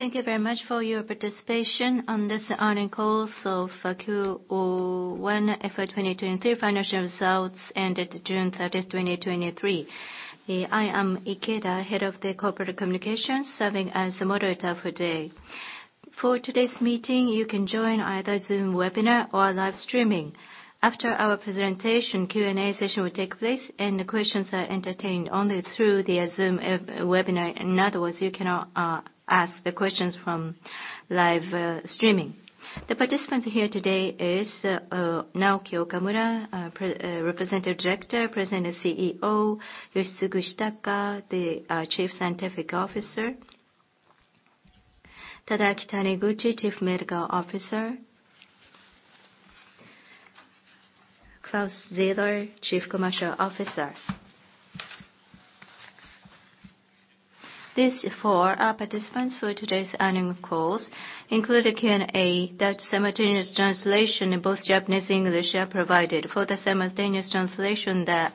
Thank you very much for your participation on this earnings call of Q1 FY2023 Financial Results, ended June 30th, 2023. I am Ikeda, Head of the Corporate Communications, serving as the moderator for today. For today's meeting, you can join either Zoom webinar or live streaming. After our presentation, Q&A session will take place, and the questions are entertained only through the Zoom webinar. In other words, you cannot ask the questions from live streaming. The participants here today is Naoki Okamura, Representative Director, President and CEO, Yoshitsugu Shitaka, the Chief Scientific Officer, Tadaaki Taniguchi, Chief Medical Officer, Claus Zieler, Chief Commercial Officer. These four are participants for today's earnings call, including Q&A, that simultaneous translation in both Japanese and English are provided. For the simultaneous translation, the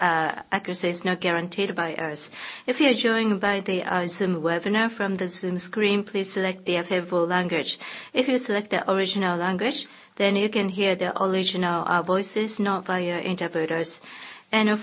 accuracy is not guaranteed by us. If you are joined by the Zoom webinar, from the Zoom screen, please select the available language. If you select the original language, you can hear the original voices, not via interpreters.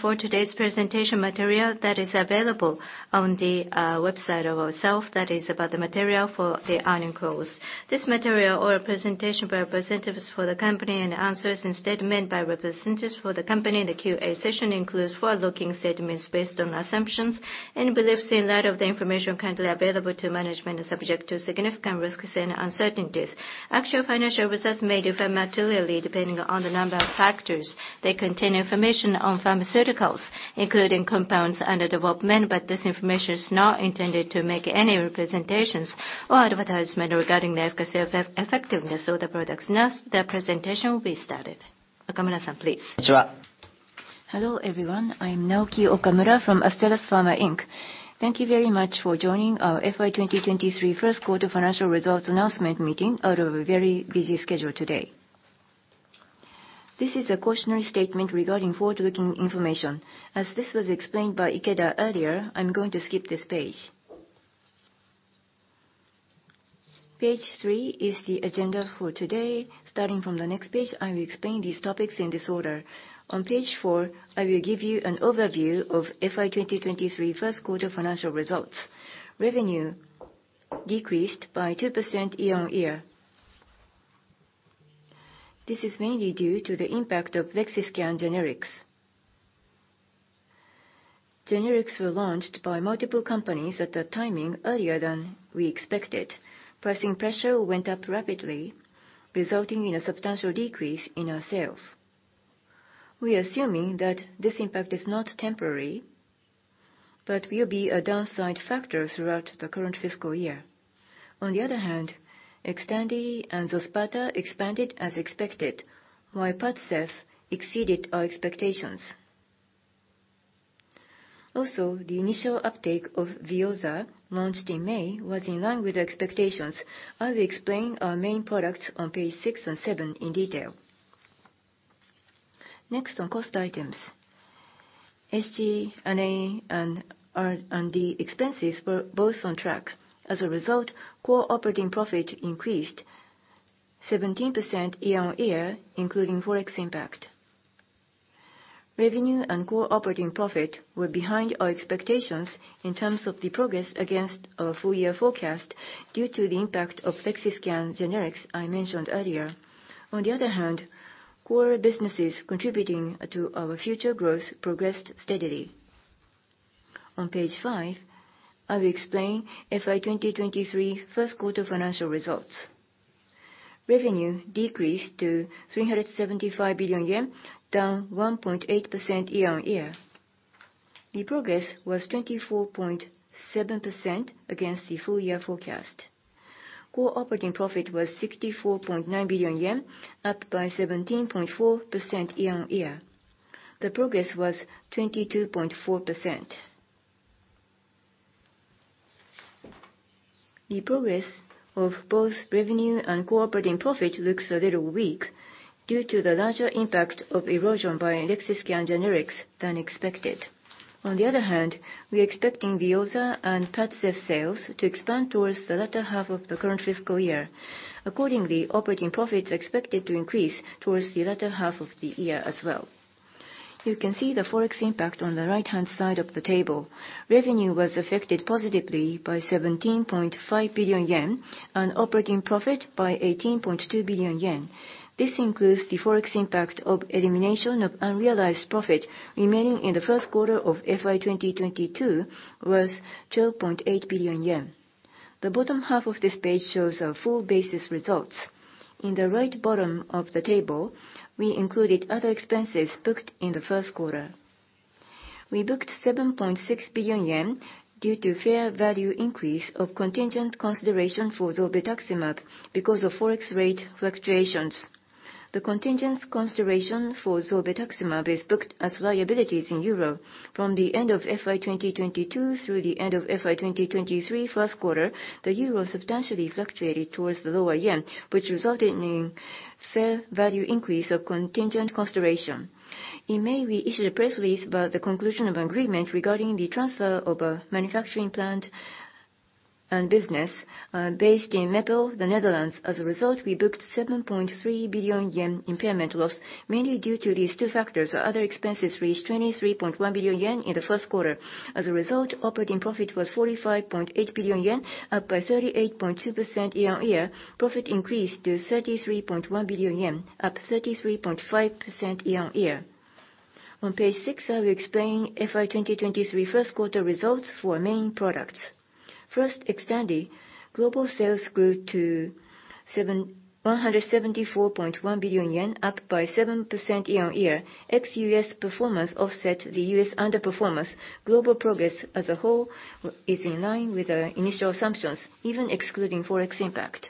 For today's presentation material, that is available on the website of ourself. That is about the material for the earning calls. This material or presentation by representatives for the company and answers and statement by representatives for the company in the Q&A session includes forward-looking statements based on assumptions and beliefs in light of the information currently available to management and subject to significant risks and uncertainties. Actual financial results may differ materially, depending on the number of factors. They contain information on pharmaceuticals, including compounds under development, but this information is not intended to make any representations or advertisement regarding the efficacy or effectiveness of the products. Now, the presentation will be started. Okamura-san, please. Hello, everyone. I'm Naoki Okamura from Astellas Pharma Inc. Thank you very much for joining our FY2023 Q1 financial results announcement meeting out of a very busy schedule today. This is a cautionary statement regarding forward-looking information. As this was explained by Ikeda earlier, I'm going to skip this page. Page 3 is the agenda for today. Starting from the next page, I will explain these topics in this order. On page Q3, I will give you an overview of FY2023 Q1 financial results. Revenue decreased by 2% year-on-year. This is mainly due to the impact of Lexiscan generics. Generics were launched by multiple companies at the timing earlier than we expected. Pricing pressure went up rapidly, resulting in a substantial decrease in our sales. We are assuming that this impact is not temporary, but will be a downside factor throughout the current fiscal year. On the other hand, Xtandi and Xospata expanded as expected, while Padcev exceeded our expectations. The initial uptake of Veozah, launched in May, was in line with expectations. I will explain our main products on page 6 and 7 in detail. On cost items. SG&A and R&D expenses were both on track. As a result, core operating profit increased 17% year-over-year, including Forex impact. Revenue and core operating profit were behind our expectations in terms of the progress against our full-year forecast, due to the impact of Lexiscan generics I mentioned earlier. On the other hand, core businesses contributing to our future growth progressed steadily. On page five, I will explain FY2023 Q1 financial results. Revenue decreased to 375 billion yen, down 1.8% year-over-year. The progress was 24.7% against the full-year forecast. Core operating profit was 64.9 billion yen, up by 17.4% year-on-year. The progress was 22.4%. The progress of both revenue and core operating profit looks a little weak due to the larger impact of erosion by Lexiscan generics than expected. On the other hand, we are expecting Veozah and Padcev sales to expand towards the latter half of the current fiscal year. Accordingly, operating profit is expected to increase towards the latter half of the year as well. You can see the Forex impact on the right-hand side of the table. Revenue was affected positively by 17.5 billion yen and operating profit by 18.2 billion yen. This includes the Forex impact of elimination of unrealized profit remaining in the Q1 of FY2022, was 12.8 billion yen. The bottom half of this page shows our full basis results. In the right bottom of the table, we included other expenses booked in the Q1. We booked 7.6 billion yen due to fair value increase of contingent consideration for zolbetuximab because of Forex rate fluctuations. The contingent consideration for zolbetuximab is booked as liabilities in EUR. From the end of FY2022 through the end of FY2023 Q1, the EUR substantially fluctuated towards the lower JPY, which resulted in fair value increase of contingent consideration. In May, we issued a press release about the conclusion of agreement regarding the transfer of a manufacturing plant and business based in Meppel, the Netherlands. As a result, we booked 7.3 billion yen impairment loss. Mainly due to these two factors, other expenses reached 23.1 billion yen in the Q1. As a result, operating profit was 45.8 billion yen, up by 38.2% year-on-year. Profit increased to 33.1 billion yen, up 33.5% year-on-year. On page six, I will explain FY2023 Q1 results for main products. First, Xtandi, global sales grew to 174.1 billion yen, up by 7% year-on-year. Ex-U.S. performance offset the U.S. underperformance. Global progress as a whole is in line with our initial assumptions, even excluding Forex impact.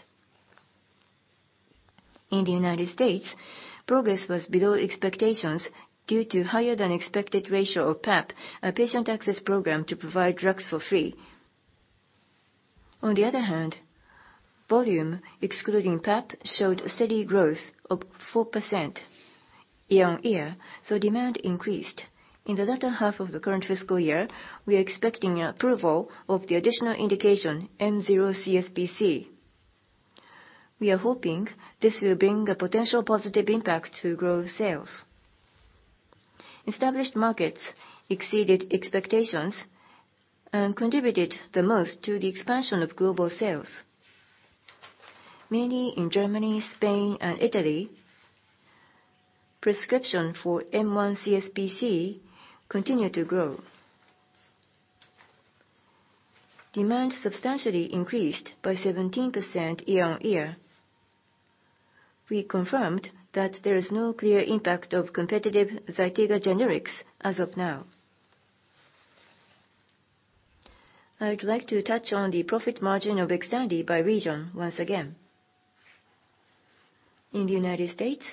In the United States, progress was below expectations due to higher than expected ratio of PAP, a patient access program to provide drugs for free. On the other hand, volume excluding PAP showed steady growth of 4% year-on-year, so demand increased. In the latter half of the current fiscal year, we are expecting approval of the additional indication M0 CSPC. We are hoping this will bring a potential positive impact to growth sales. Established markets exceeded expectations and contributed the most to the expansion of global sales. Mainly in Germany, Spain, and Italy, prescription for M1 CSPC continued to grow. Demand substantially increased by 17% year-on-year. We confirmed that there is no clear impact of competitive Xgeva generics as of now. I would like to touch on the profit margin of Xtandi by region once again. In the United States,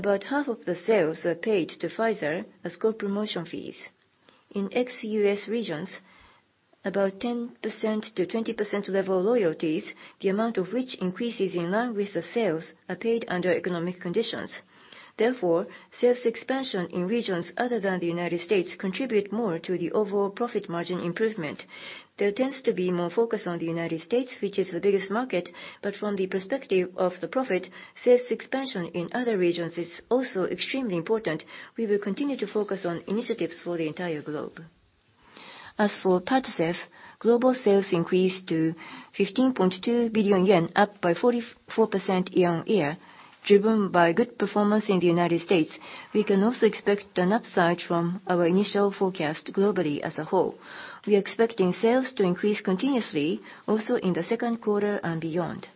about half of the sales are paid to Pfizer as co-promotion fees. In ex-U.S. regions, about 10%-20% level royalties, the amount of which increases in line with the sales, are paid under economic conditions. Sales expansion in regions other than the United States contribute more to the overall profit margin improvement. There tends to be more focus on the United States, which is the biggest market, from the perspective of the profit, sales expansion in other regions is also extremely important. We will continue to focus on initiatives for the entire globe. As for Padcev, global sales increased to JPY 15.2 billion, up by 44% year-on-year, driven by good performance in the United States. We can also expect an upside from our initial forecast globally as a whole. We are expecting sales to increase continuously, also in the Q2 and beyond.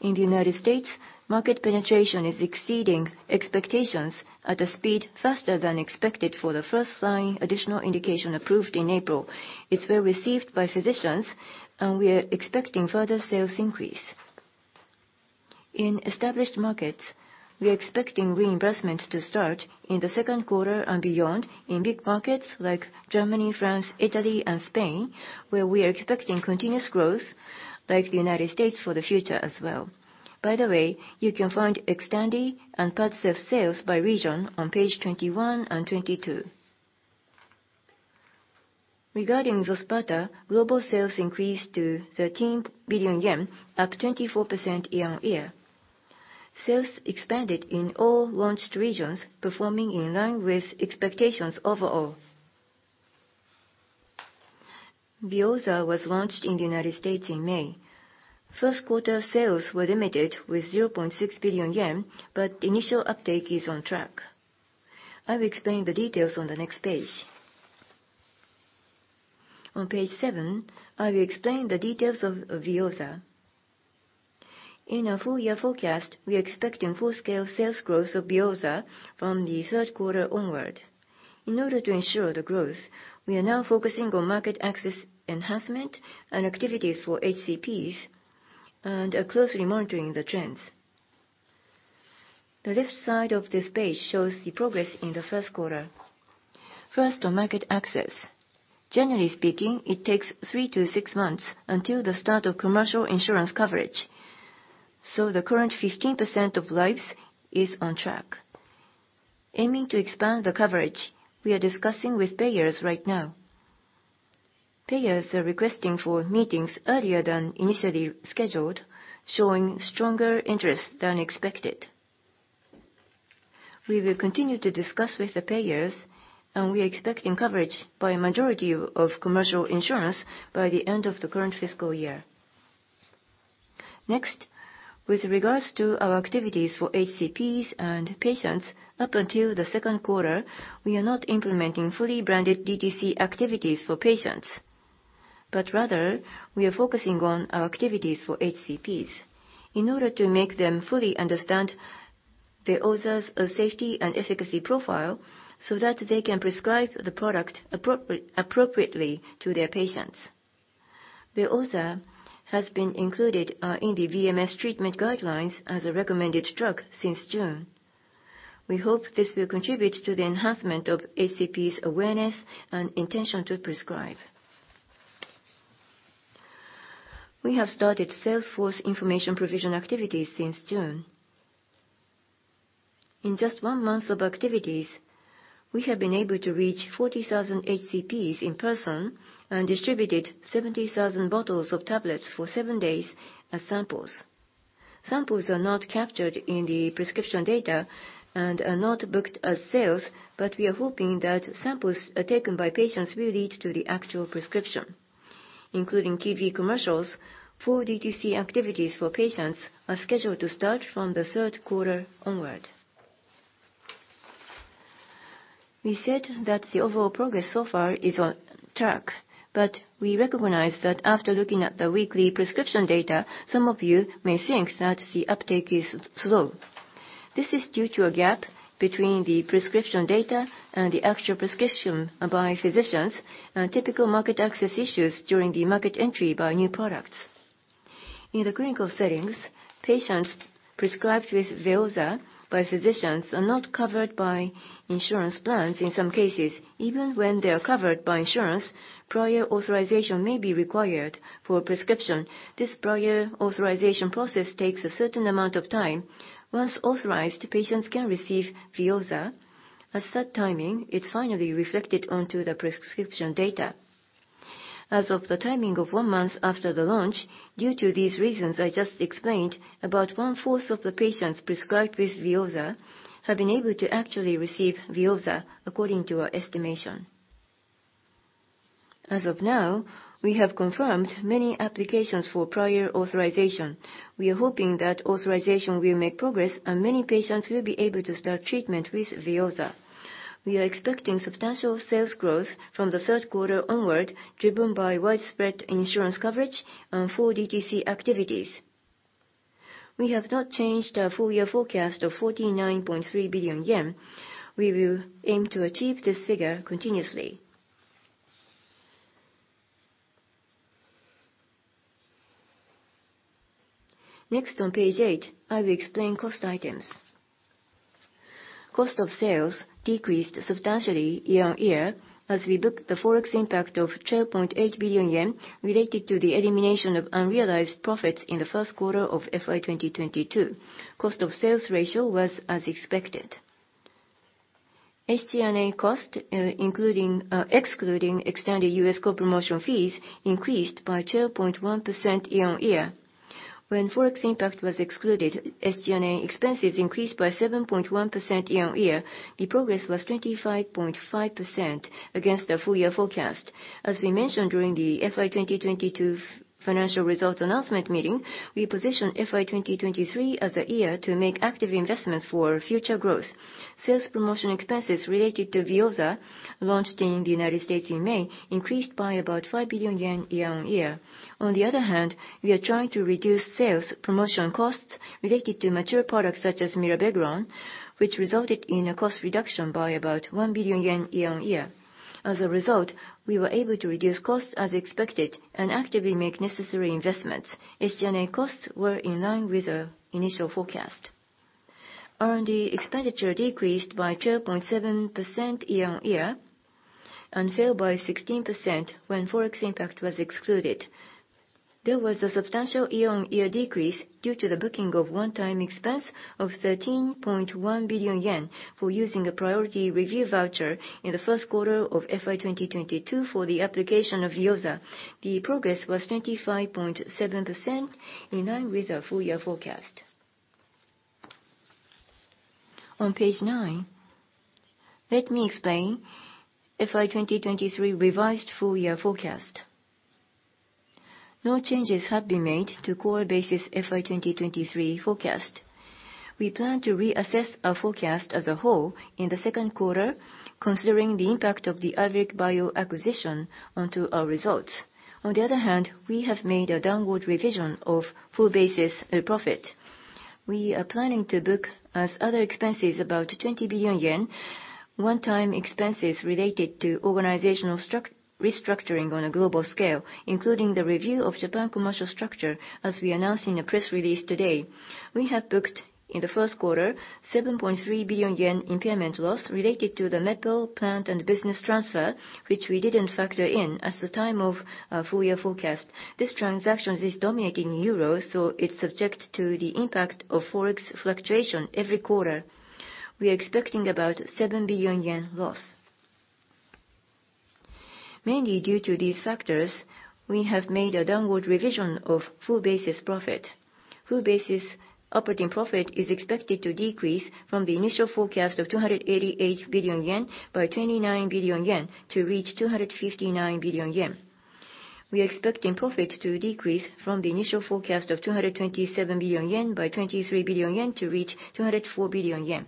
In the United States, market penetration is exceeding expectations at a speed faster than expected for the first-line additional indication approved in April. It's well received by physicians. We are expecting further sales increase. In established markets, we are expecting reimbursements to start in the Q2 and beyond in big markets like Germany, France, Italy, and Spain, where we are expecting continuous growth like the United States for the future as well. By the way, you can find Xtandi and Padcev sales by region on page 21 and 22. Regarding Xospata, global sales increased to 13 billion yen, up 24% year-over-year. Sales expanded in all launched regions, performing in line with expectations overall. Veozah was launched in the United States in May. Q1 sales were limited with 0.6 billion yen, but initial uptake is on track. I will explain the details on the next page. On page 7, I will explain the details of Veozah. In our full year forecast, we are expecting full-scale sales growth of Veozah from the Q3 onward. In order to ensure the growth, we are now focusing on market access enhancement and activities for HCPs, are closely monitoring the trends. The left side of this page shows the progress in the Q1. First, on market access. Generally speaking, it takes three to six months until the start of commercial insurance coverage, so the current 15% of lives is on track. Aiming to expand the coverage, we are discussing with payers right now. Payers are requesting for meetings earlier than initially scheduled, showing stronger interest than expected. We will continue to discuss with the payers, and we are expecting coverage by a majority of commercial insurance by the end of the current fiscal year. Next, with regards to our activities for HCPs and patients, up until the Q2, we are not implementing fully branded DTC activities for patients, but rather we are focusing on our activities for HCPs in order to make them fully understand Veozah's safety and efficacy profile, so that they can prescribe the product appropriately to their patients. Veozah has been included in the VMS treatment guidelines as a recommended drug since June. We hope this will contribute to the enhancement of HCP's awareness and intention to prescribe. We have started sales force information provision activities since June. In just one month of activities, we have been able to reach 40,000 HCPs in person and distributed 70,000 bottles of tablets for seven days as samples. Samples are not captured in the prescription data and are not booked as sales. We are hoping that samples taken by patients will lead to the actual prescription. Including TV commercials, 4 DTC activities for patients are scheduled to start from the Q3 onward. We said that the overall progress so far is on track. We recognize that after looking at the weekly prescription data, some of you may think that the uptake is slow. This is due to a gap between the prescription data and the actual prescription by physicians, and typical market access issues during the market entry by new products. In the clinical settings, patients prescribed with Veozah by physicians are not covered by insurance plans in some cases. Even when they are covered by insurance, prior authorization may be required for prescription. This prior authorization process takes a certain amount of time. Once authorized, patients can receive Veozah. At that timing, it's finally reflected onto the prescription data. As of the timing of one month after the launch, due to these reasons I just explained, about one fourth of the patients prescribed with Veozah have been able to actually receive Veozah, according to our estimation. As of now, we have confirmed many applications for prior authorization. We are hoping that authorization will make progress. Many patients will be able to start treatment with Veozah. We are expecting substantial sales growth from the Q3 onward, driven by widespread insurance coverage and 4 DTC activities. We have not changed our full year forecast of 49.3 billion yen. We will aim to achieve this figure continuously. Next, on page 8, I will explain cost items. Cost of sales decreased substantially year-on-year, as we booked the Forex impact of 12.8 billion yen related to the elimination of unrealized profits in the Q1 of FY 2022. Cost of sales ratio was as expected. SG&A cost, including, excluding extended U.S. co-promotion fees, increased by 2.1% year-on-year. When Forex impact was excluded, SG&A expenses increased by 7.1% year-on-year. The progress was 25.5% against the full year forecast. As we mentioned during the FY 2022 financial results announcement meeting, we position FY 2023 as a year to make active investments for future growth. Sales promotion expenses related to Veozah, launched in the United States in May, increased by about 5 billion yen year on year. On the other hand, we are trying to reduce sales promotion costs related to mature products such as Mirabegron, which resulted in a cost reduction by about 1 billion yen year on year. As a result, we were able to reduce costs as expected and actively make necessary investments. SG&A costs were in line with our initial forecast. R&D expenditure decreased by 2.7% year on year, and fell by 16% when Forex impact was excluded. There was a substantial year-over-year decrease due to the booking of one-time expense of 13.1 billion yen for using a priority review voucher in the Q1 of FY 2022 for the application of Veozah. The progress was 25.7%, in line with our full year forecast. On page 9, let me explain FY 2023 revised full year forecast. No changes have been made to core basis FY 2023 forecast. We plan to reassess our forecast as a whole in the Q2, considering the impact of the Iveric Bio acquisition onto our results. On the other hand, we have made a downward revision of full basis profit. We are planning to book as other expenses, about 20 billion yen, one-time expenses related to organizational restructuring on a global scale, including the review of Japan commercial structure, as we announced in a press release today. We have booked, in the Q1, 7.3 billion yen impairment loss related to the Meppel plant and business transfer, which we didn't factor in at the time of our full year forecast. This transaction is dominating euro, so it's subject to the impact of Forex fluctuation every quarter. We are expecting about 7 billion yen loss. Mainly due to these factors, we have made a downward revision of full basis profit. Full basis operating profit is expected to decrease from the initial forecast of 288 billion yen by 29 billion yen to reach 259 billion yen. We are expecting profit to decrease from the initial forecast of 227 billion yen by 23 billion yen to reach 204 billion yen.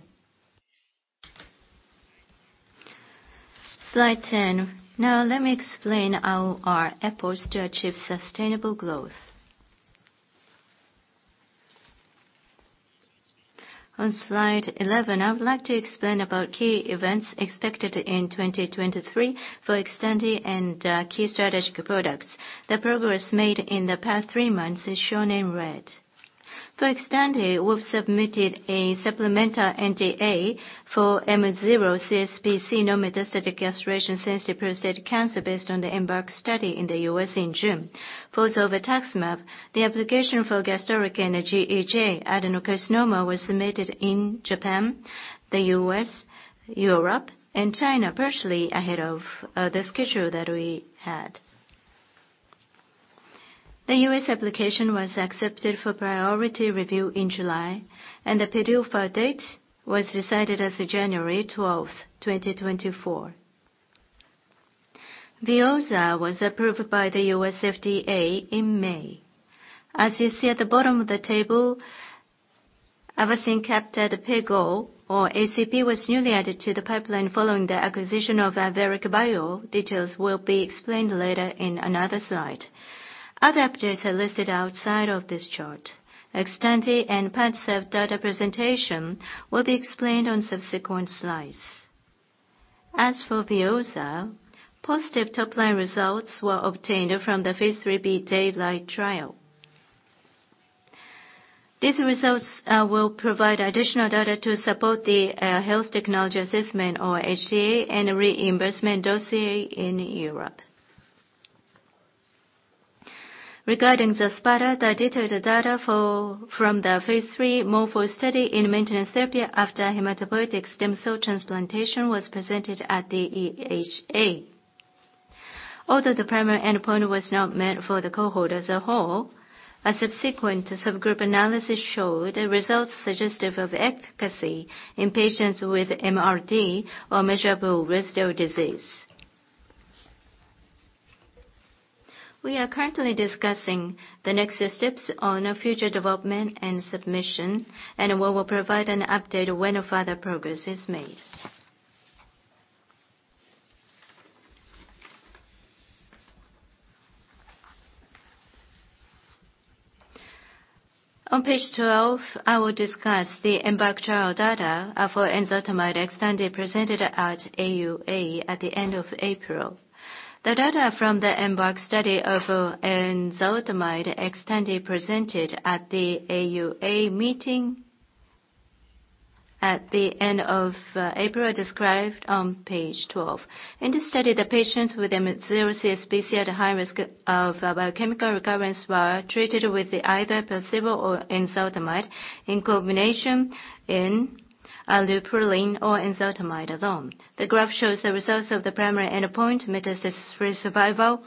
Slide 10. Let me explain our, our efforts to achieve sustainable growth. On slide 11, I would like to explain about key events expected in 2023 for extended and key strategic products. The progress made in the past three months is shown in red. For Xtandi, we've submitted a supplemental NDA for M0 CSPC, no metastatic castration-sensitive prostate cancer, based on the EMBARK study in the U.S. in June. For zolbetuximab, the application for gastric and GEJ adenocarcinoma was submitted in Japan, the U.S., Europe, and China, partially ahead of the schedule that we had. The U.S. application was accepted for priority review in July, the PDUFA date was decided as January 12, 2024. Veozah was approved by the U.S. FDA in May. As you see at the bottom of the table, avacincaptad pegol, or ACP, was newly added to the pipeline following the acquisition of Iveric Bio. Details will be explained later in another slide. Other updates are listed outside of this chart. Xtandi and Padcev data presentation will be explained on subsequent slides. As for Veozah, positive top line results were obtained from the Phase 3b DAYLIGHT trial. These results will provide additional data to support the Health Technology Assessment or HTA and reimbursement dossier in Europe. Regarding, the Xospata detailed data from the Phase 3 MORPHO study in maintenance therapy after hematopoietic stem cell transplantation was presented at the EHA. Although the primary endpoint was not met for the cohort as a whole, a subsequent subgroup analysis showed results suggestive of efficacy in patients with MRD, or measurable residual disease. We are currently discussing the next steps on future development and submission. We will provide an update when further progress is made. On page 12, I will discuss the EMBARK trial data for enzalutamide Xtandi presented at AUA at the end of April. The data from the EMBARK study of enzalutamide Xtandi presented at the AUA meeting at the end of April, are described on page 12. In this study, the patients with M0 CSPC at high risk of biochemical recurrence were treated with either placebo or enzalutamide in combination in leuprolide or enzalutamide alone. The graph shows the results of the primary endpoint, metastasis-free survival,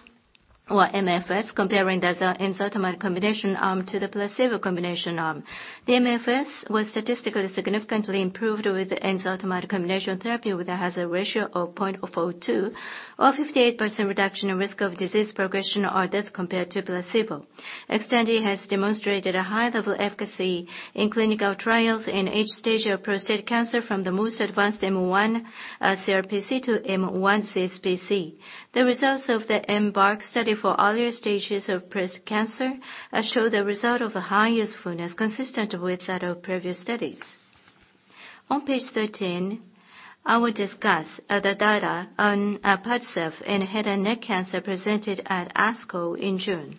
or MFS, comparing the enzalutamide combination arm to the placebo combination arm. The MFS was statistically significantly improved with enzalutamide combination therapy, with a hazard ratio of 0.042, or 58% reduction in risk of disease progression or death compared to placebo. Xtandi has demonstrated a high level of efficacy in clinical trials in each stage of prostate cancer, from the most advanced M1 CRPC to M1 CSPC. The results of the EMBARK study for earlier stages of prostate cancer show the result of a high usefulness, consistent with that of previous studies. On page 13, I will discuss the data on Padcev in head and neck cancer presented at ASCO in June.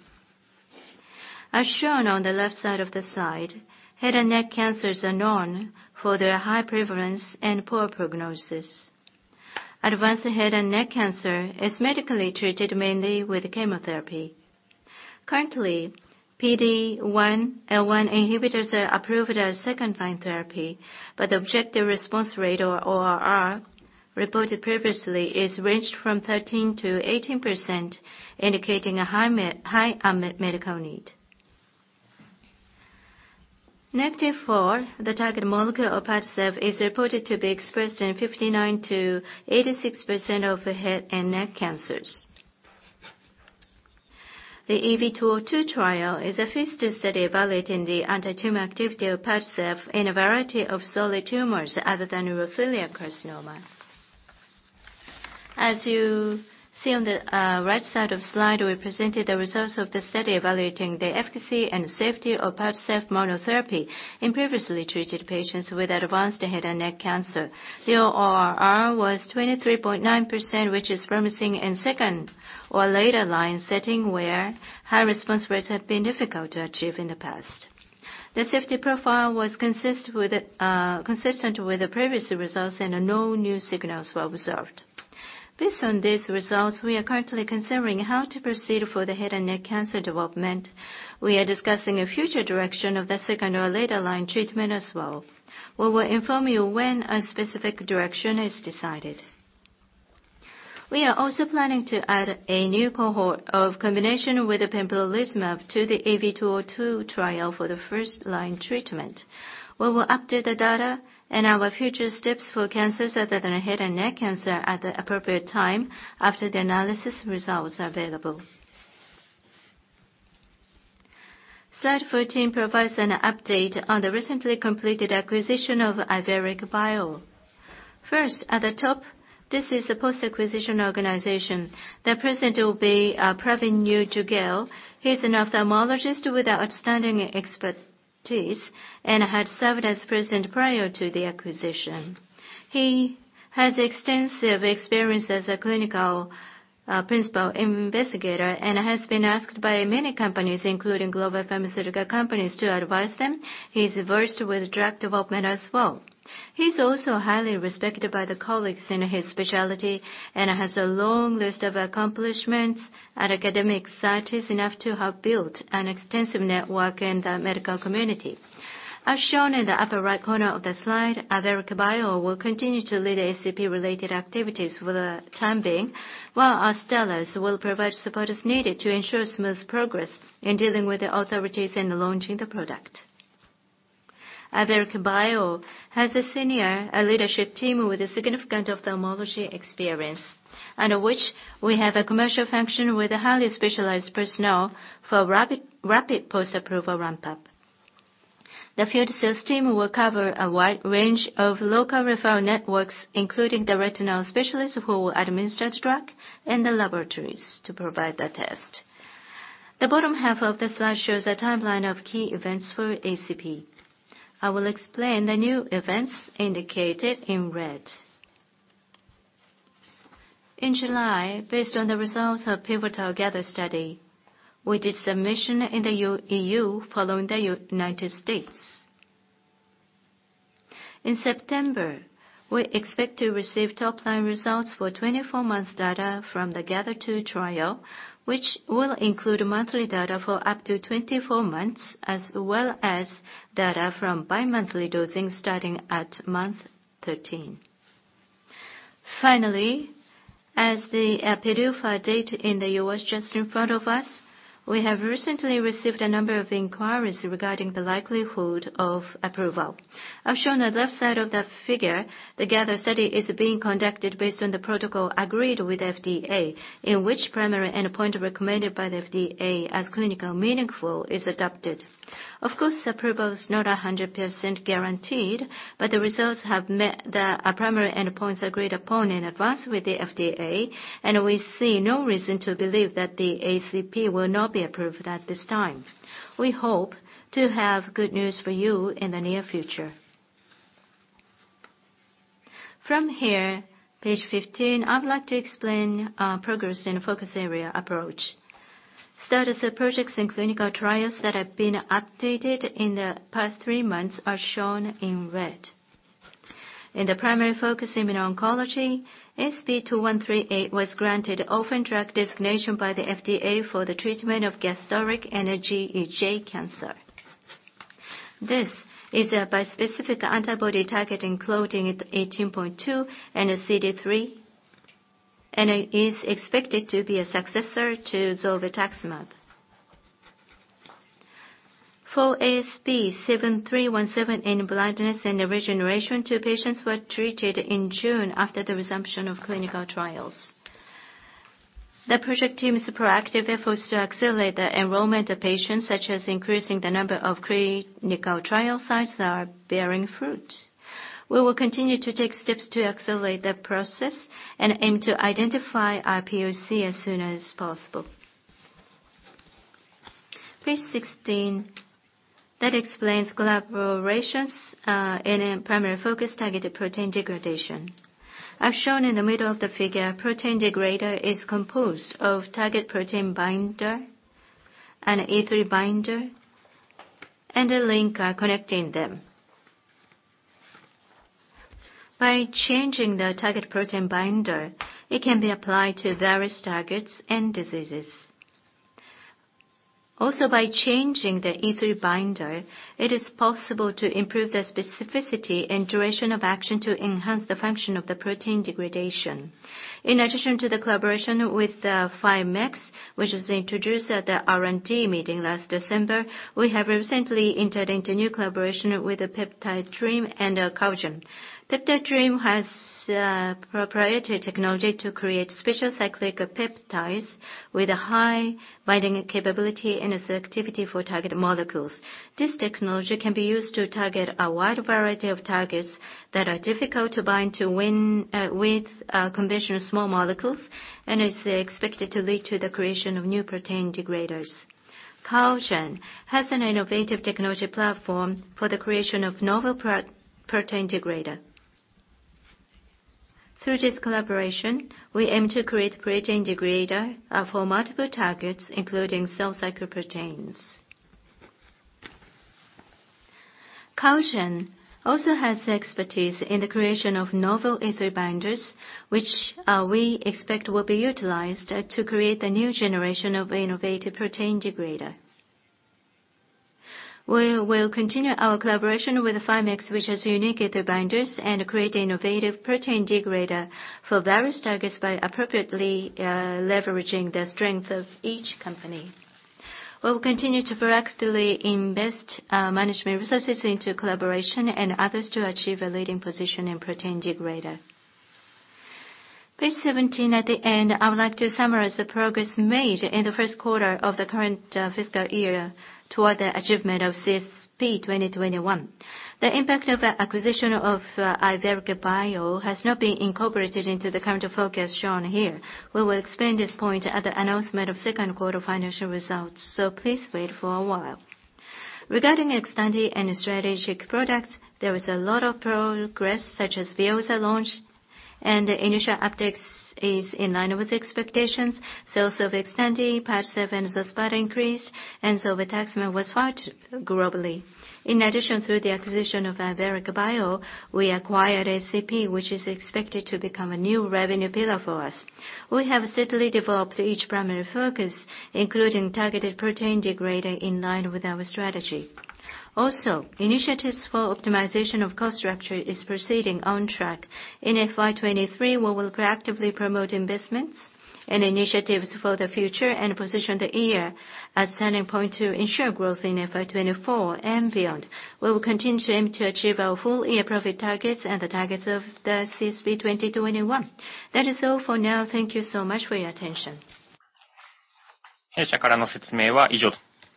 As shown on the left side of the slide, head and neck cancers are known for their high prevalence and poor prognosis. Advanced head and neck cancer is medically treated mainly with chemotherapy. Currently, PD-1/PD-L1 inhibitors are approved as second-line therapy, but the objective response rate, or ORR, reported previously is ranged from 13%-18%, indicating a high unmet medical need. Nectin-4, the target molecule of Padcev, is reported to be expressed in 59%-86% of head and neck cancers. The EV-202 trial is a phase 2 study evaluating the anti-tumor activity of Padcev in a variety of solid tumors other than urothelial carcinoma. As you see on the right side of slide, we presented the results of the study evaluating the efficacy and safety of Padcev monotherapy in previously treated patients with advanced head and neck cancer. The ORR was 23.9%, which is promising in second or later line setting, where high response rates have been difficult to achieve in the past. The safety profile was consistent with consistent with the previous results, and no new signals were observed. Based on these results, we are currently considering how to proceed for the head and neck cancer development. We are discussing a future direction of the second or later line treatment as well. We will inform you when a specific direction is decided. We are also planning to add a new cohort of combination with the pembrolizumab to the EV-202 trial for the first-line treatment. We will update the data and our future steps for cancers other than head and neck cancer at the appropriate time after the analysis results are available. Slide 14 provides an update on the recently completed acquisition of Iveric Bio. First, at the top, this is the post-acquisition organization. The President will be Pravin U. Dugel. He's an ophthalmologist with outstanding expertise and had served as President prior to the acquisition. He has extensive experience as a clinical principal investigator, and has been asked by many companies, including global pharmaceutical companies, to advise them. He's versed with drug development as well. He's also highly respected by the colleagues in his specialty, and has a long list of accomplishments and academic societies enough to have built an extensive network in the medical community. As shown in the upper right corner of the slide, Iveric Bio will continue to lead ACP-related activities for the time being, while Astellas will provide support as needed to ensure smooth progress in dealing with the authorities in launching the product. Iveric Bio has a senior leadership team with a significant ophthalmology experience, and which we have a commercial function with a highly specialized personnel for rapid, rapid post-approval ramp-up. The field sales team will cover a wide range of local referral networks, including the retinal specialists who will administer the drug and the laboratories to provide the test. The bottom half of the slide shows a timeline of key events for ACP. I will explain the new events indicated in red. In July, based on the results of pivotal GATHER study, we did submission in the EU following the United States. In September, we expect to receive top-line results for 24-month data from the GATHER2 trial, which will include monthly data for up to 24 months, as well as data from bimonthly dosing starting at month 13. Finally, as the PDUFA date in the US just in front of us, we have recently received a number of inquiries regarding the likelihood of approval. As shown on the left side of the figure, the GATHER study is being conducted based on the protocol agreed with FDA, in which primary endpoint recommended by the FDA as clinical meaningful is adopted. Of course, approval is not 100% guaranteed. The results have met the primary endpoints agreed upon in advance with the FDA. We see no reason to believe that the ACP will not be approved at this time. We hope to have good news for you in the near future. From here, page 15, I would like to explain progress in focus area approach. Status of projects and clinical trials that have been updated in the past 3 months are shown in red. In the primary focus immune oncology, ASP2138 was granted Orphan Drug Designation by the FDA for the treatment of gastric and GEJ cancer. This is a bispecific antibody targeting Claudin 18.2 and CD3. It is expected to be a successor to zolbetuximab. For ASP7317 in blindness and regeneration, 2 patients were treated in June after the resumption of clinical trials. The project team's proactive efforts to accelerate the enrollment of patients, such as increasing the number of clinical trial sites, are bearing fruit. We will continue to take steps to accelerate the process and aim to identify our POC as soon as possible. Page 16, that explains collaborations, in a primary focus, targeted protein degradation. As shown in the middle of the figure, protein degrader is composed of target protein binder and E3 binder, and a linker connecting them. By changing the target protein binder, it can be applied to various targets and diseases. Also, by changing the E3 binder, it is possible to improve the specificity and duration of action to enhance the function of the protein degradation. In addition to the collaboration with Fimecs, which was introduced at the R&D meeting last December, we have recently entered into new collaboration with PeptiDream and Kelun-Biotech. PeptiDream has proprietary technology to create special cyclic peptides with a high binding capability and selectivity for target molecules. This technology can be used to target a wide variety of targets that are difficult to bind to when with conventional small molecules, and is expected to lead to the creation of new protein degraders. Fimecs has an innovative technology platform for the creation of novel protein degrader. Through this collaboration, we aim to create protein degrader for multiple targets, including cell cycle proteins. Fimecs also has expertise in the creation of novel E3 binders, which we expect will be utilized to create the new generation of innovative protein degrader. We will continue our collaboration with Fimecs, which has unique E3 binders, and create innovative protein degrader for various targets by appropriately leveraging the strength of each company. We will continue to proactively invest management resources into collaboration and others to achieve a leading position in protein degrader. Page 17 at the end, I would like to summarize the progress made in the Q1 of the current fiscal year toward the achievement of CSP2021. The impact of our acquisition of Iveric Bio has not been incorporated into the current focus shown here. We will explain this point at the announcement of Q2 financial results, so please wait for a while. Regarding Xtandi and strategic products, there is a lot of progress, such as Veozah launch. The initial upticks is in line with expectations. Sales of Xtandi, ASP7317, Xospata increased. Zolbetuximab was filed globally. In addition, through the acquisition of Iveric Bio, we acquired ACP, which is expected to become a new revenue pillar for us. We have steadily developed each primary focus, including targeted protein degrader, in line with our strategy. Initiatives for optimization of cost structure is proceeding on track. In FY 2023, we will proactively promote investments and initiatives for the future, and position the year as turning point to ensure growth in FY 2024 and beyond. We will continue to aim to achieve our full year profit targets and the targets of the CSP 2021. That is all for now. Thank you so much for your attention.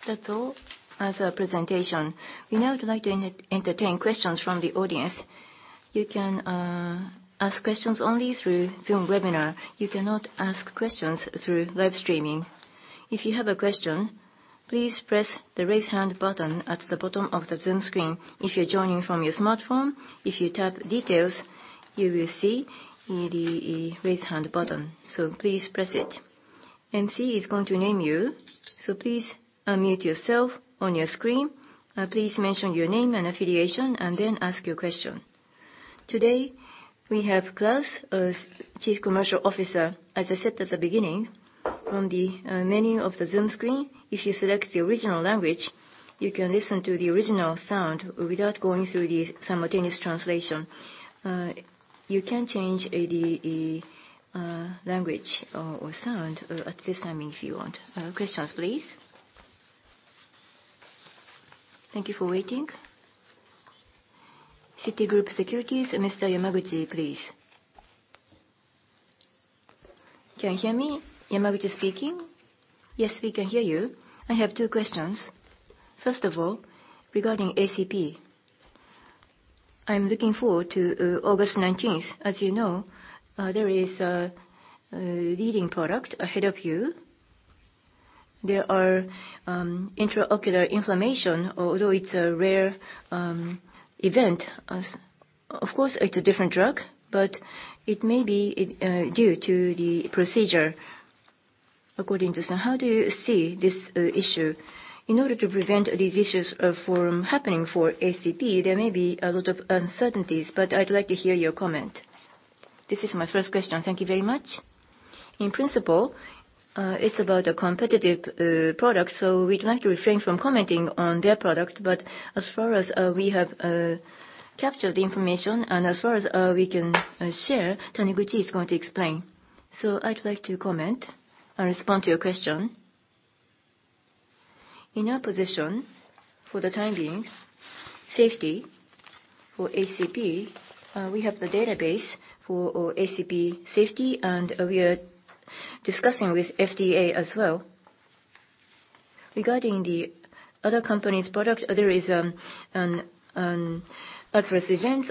That's all as a presentation. We now would like to entertain questions from the audience. You can ask questions only through Zoom Webinar. You cannot ask questions through live streaming. If you have a question, please press the Raise Hand button at the bottom of the Zoom screen. If you're joining from your smartphone, if you tap Details, you will see the, the Raise Hand button, so please press it. MC is going to name you, so please unmute yourself on your screen. Please mention your name and affiliation, and then ask your question. Today, we have Claus, as Chief Commercial Officer. As I said at the beginning, on the menu of the Zoom screen, if you select the original language, you can listen to the original sound without going through the simultaneous translation. You can change the language or sound at this time, if you want. Questions, please. Thank you for waiting. Citigroup, Mr. Yamaguchi, please. Can you hear me? Yamaguchi speaking. Yes, we can hear you. I have two questions. First of all, regarding ACP, I'm looking forward to August 19th. As you know, there is a leading product ahead of you. There are intraocular inflammation, although it's a rare event. Of course, it's a different drug, but it may be due to the procedure according to some. How do you see this issue? In order to prevent these issues from happening for ACP, there may be a lot of uncertainties, but I'd like to hear your comment. This is my first question. Thank you very much. In principle, it's about a competitive product, so we'd like to refrain from commenting on their product. As far as we have captured the information, and as far as we can share, Taniguchi is going to explain. I'd like to comment and respond to your question. In our position, for the time being, safety for ACP, we have the database for ACP safety, and we are discussing with FDA as well. Regarding the other company's product, there is adverse events,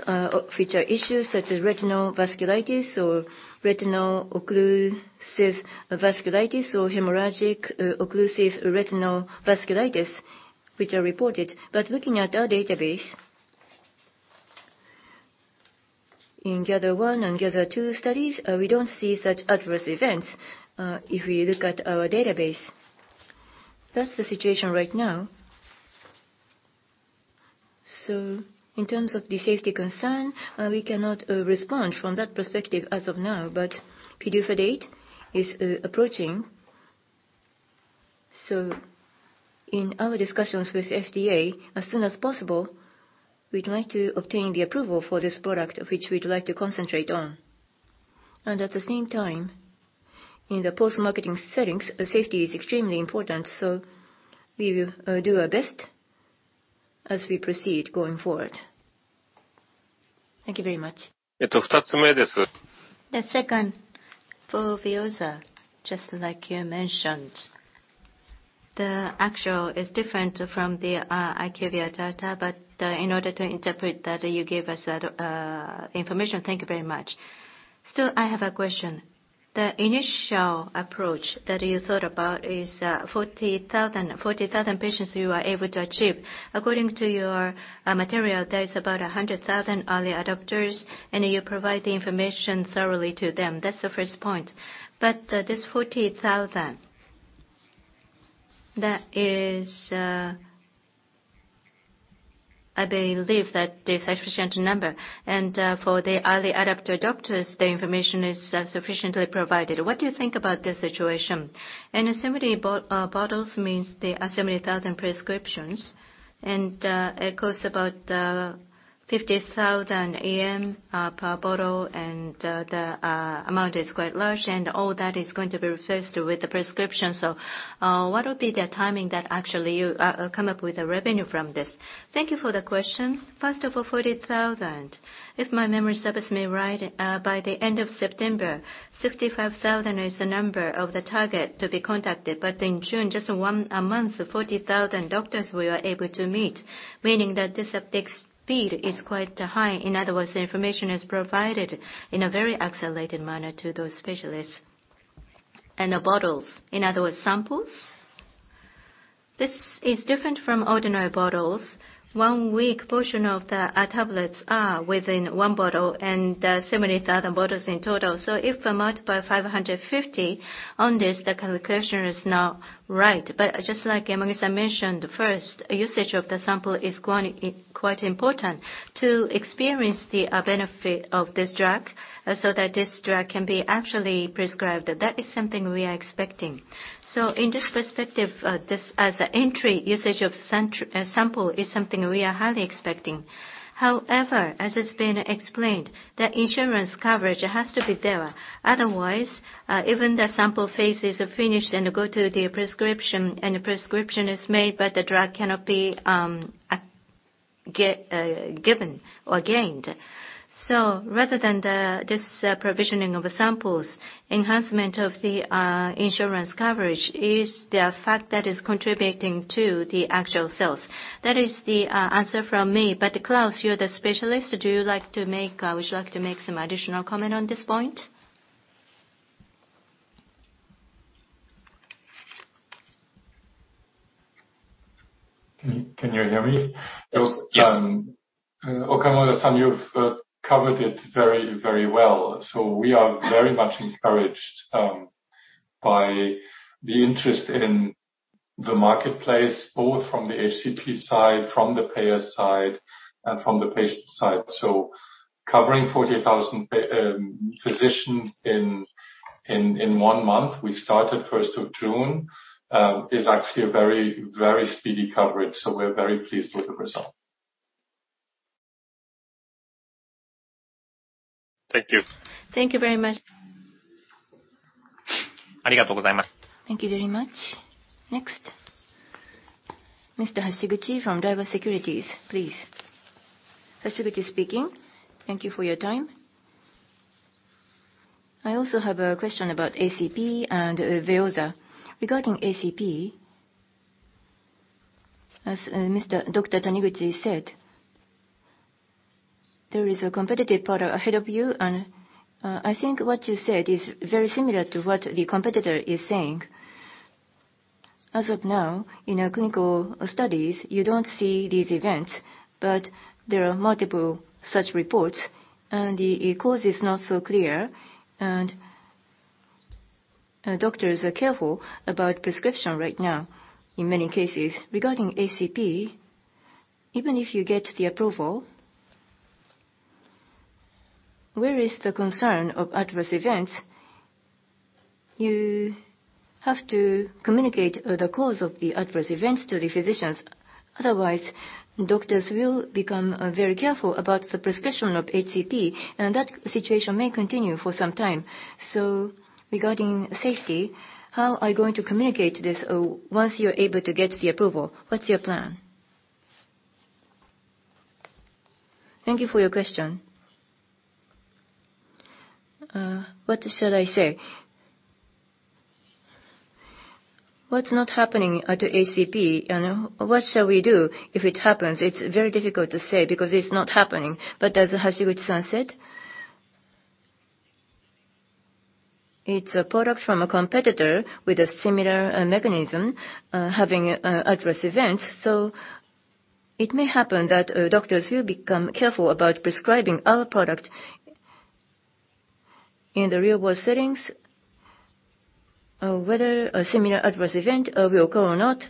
which are issues such as retinal vasculitis or retinal occlusive vasculitis or hemorrhagic occlusive retinal vasculitis, which are reported. Looking at our database, in GATHER1 and GATHER2 studies, we don't see such adverse events, if we look at our database. That's the situation right now. In terms of the safety concern, we cannot respond from that perspective as of now, but PDUFA date is approaching. In our discussions with FDA, as soon as possible, we'd like to obtain the approval for this product, which we'd like to concentrate on. At the same time, in the post-marketing settings, the safety is extremely important, so we will do our best as we proceed going forward. Thank you very much. The second, for Veozah, just like you mentioned, the actual is different from the IQVIA data, but in order to interpret that, you gave us that information. Thank you very much. Still, I have a question. The initial approach that you thought about is 40,000. 40,000 patients you are able to achieve. According to your material, there is about 100,000 early adopters, and you provide the information thoroughly to them. That's the first point. This 40,000, that is... I believe that the sufficient number, and for the early adapter adopters, the information is sufficiently provided. What do you think about this situation? 70 bottles means there are 70,000 prescriptions, it costs about 50,000 per bottle, the amount is quite large, and all that is going to be replaced with the prescription. What will be the timing that actually you come up with a revenue from this? Thank you for the question. First of all, 40,000. If my memory serves me right, by the end of September, 65,000 is the number of the target to be contacted. In June, just 1 month, 40,000 doctors we were able to meet, meaning that this uptake speed is quite high. In other words, the information is provided in a very accelerated manner to those specialists. The bottles, in other words, samples? This is different from ordinary bottles. One week portion of the tablets are within one bottle and 70,000 bottles in total. If I multiply 550 on this, the calculation is not right. Just like, as I mentioned first, usage of the sample is quite, quite important to experience the benefit of this drug, so that this drug can be actually prescribed. That is something we are expecting. In this perspective, this as an entry usage of sample is something we are highly expecting. However, as it's been explained, the insurance coverage has to be there. Otherwise, even the sample phase is finished and go to the prescription, and a prescription is made, but the drug cannot be get given or gained. Rather than the, this, provisioning of the samples, enhancement of the, insurance coverage is the fact that is contributing to the actual sales. That is the, answer from me. Claus, you're the specialist. Do you like to make, would you like to make some additional comment on this point? Can you hear me? Yes. Okamura-san, you've covered it very, very well. We are very much encouraged by the interest in the marketplace, both from the HCP side, from the payer side, and from the patient side. Covering 40,000 physicians in one month, we started first of June, is actually a very, very speedy coverage. We're very pleased with the result. Thank you. Thank you very much. Thank you very much. Thank you very much. Mr. Hashiguchi from Daiwa Securities, please. Hashiguchi speaking. Thank you for your time. I also have a question about ACP and Veozah. Regarding ACP, as Mr. Dr. Taniguchi said, there is a competitive product ahead of you, I think what you said is very similar to what the competitor is saying. As of now, in our clinical studies, you don't see these events, but there are multiple such reports, the cause is not so clear, doctors are careful about prescription right now, in many cases. Regarding ACP, even if you get the approval, where is the concern of adverse events? You have to communicate the cause of the adverse events to the physicians. Otherwise, doctors will become very careful about the prescription of HCP, that situation may continue for some time. Regarding safety, how are you going to communicate this once you're able to get the approval? What's your plan? Thank you for your question. What should I say? What's not happening at the ACP and what shall we do if it happens? It's very difficult to say, because it's not happening. As Hashiguchi-san said, it's a product from a competitor with a similar mechanism, having adverse events. It may happen that doctors will become careful about prescribing our product. In the real-world settings, whether a similar adverse event will occur or not,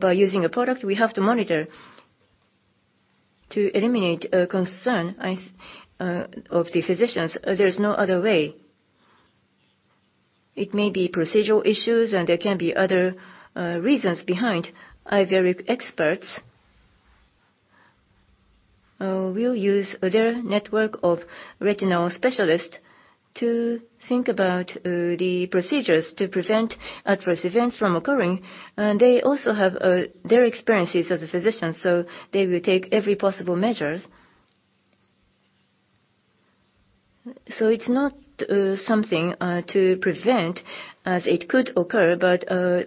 by using a product, we have to monitor. To eliminate a concern, I, of the physicians, there is no other way. It may be procedural issues, and there can be other reasons behind. Iveric experts will use their network of retinal specialists to think about the procedures to prevent adverse events from occurring. They also have their experiences as a physician, so they will take every possible measures. It's not something to prevent, as it could occur, but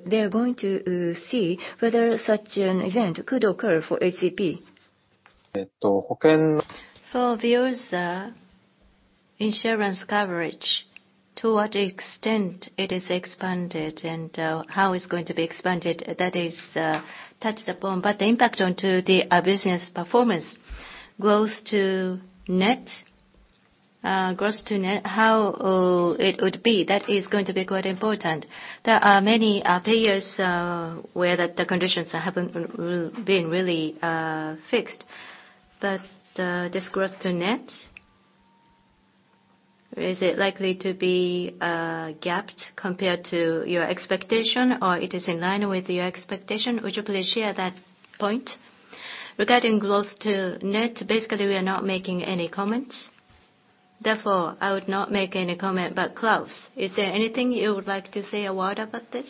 they are going to see whether such an event could occur for HCP. For Veozah insurance coverage, to what extent it is expanded and how it's going to be expanded, that is touched upon. The impact onto the business performance, growth to net, growth to net, how it would be? That is going to be quite important. There are many payers where the conditions haven't been really fixed. This growth to net, is it likely to be gapped compared to your expectation, or it is in line with your expectation? Would you please share that point? Regarding growth to net, basically, we are not making any comments. Therefore, I would not make any comment. Claus, is there anything you would like to say a word about this?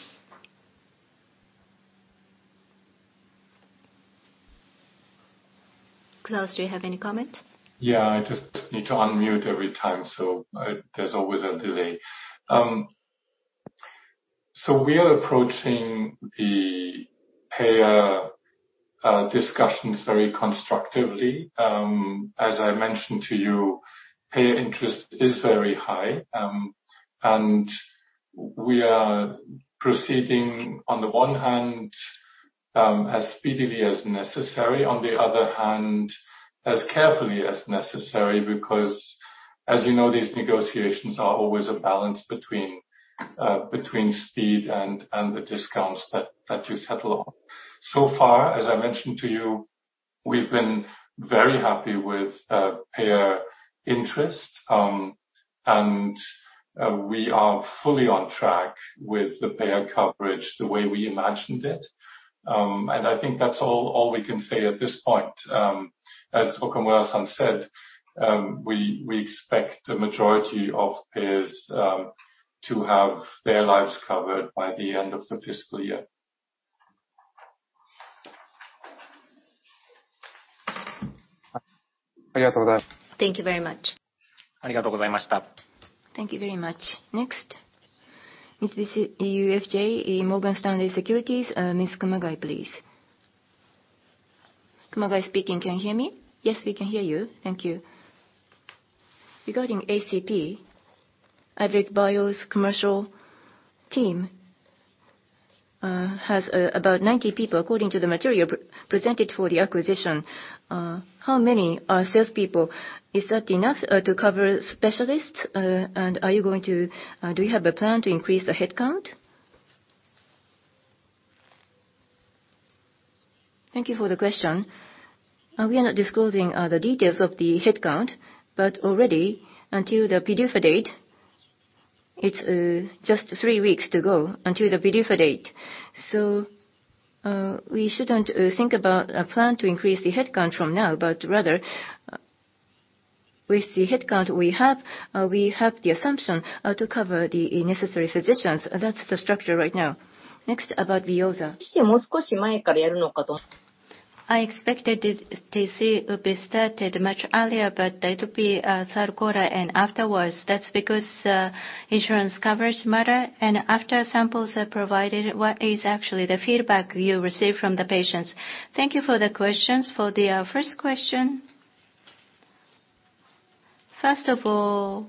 Claus, do you have any comment? Yeah, I just need to unmute every time, so there's always a delay. We are approaching the discussions very constructively. As I mentioned to you, payer interest is very high. We are proceeding, on the one hand, as speedily as necessary, on the other hand, as carefully as necessary, because as we know, these negotiations are always a balance between speed and the discounts that you settle on. So far, as I mentioned to you, we've been very happy with payer interest. We are fully on track with the payer coverage the way we imagined it. I think that's all, all we can say at this point. As Okamura-san said, we, we expect the majority of payers to have their lives covered by the end of the fiscal year. Thank you very much. Thank you very much. Next, is this MUFG Morgan Stanley Securities, Ms. Kumagai, please. Kumagai speaking. Can you hear me? Yes, we can hear you. Thank you. Regarding avacincaptad pegol, Iveric Bio's commercial team has about 90 people, according to the material presented for the acquisition. How many are salespeople? Is that enough to cover specialists? Do you have a plan to increase the headcount? Thank you for the question. We are not disclosing the details of the headcount, but already until the PDUFA date, it's just three weeks to go until the PDUFA date. We shouldn't think about a plan to increase the headcount from now, but rather, with the headcount we have, we have the assumption to cover the necessary physicians. That's the structure right now. Next, about Veozah. I expected this DC would be started much earlier, but it will be 3rd quarter and afterwards. That's because insurance coverage matter. After samples are provided, what is actually the feedback you receive from the patients? Thank you for the questions. For the first question, first of all,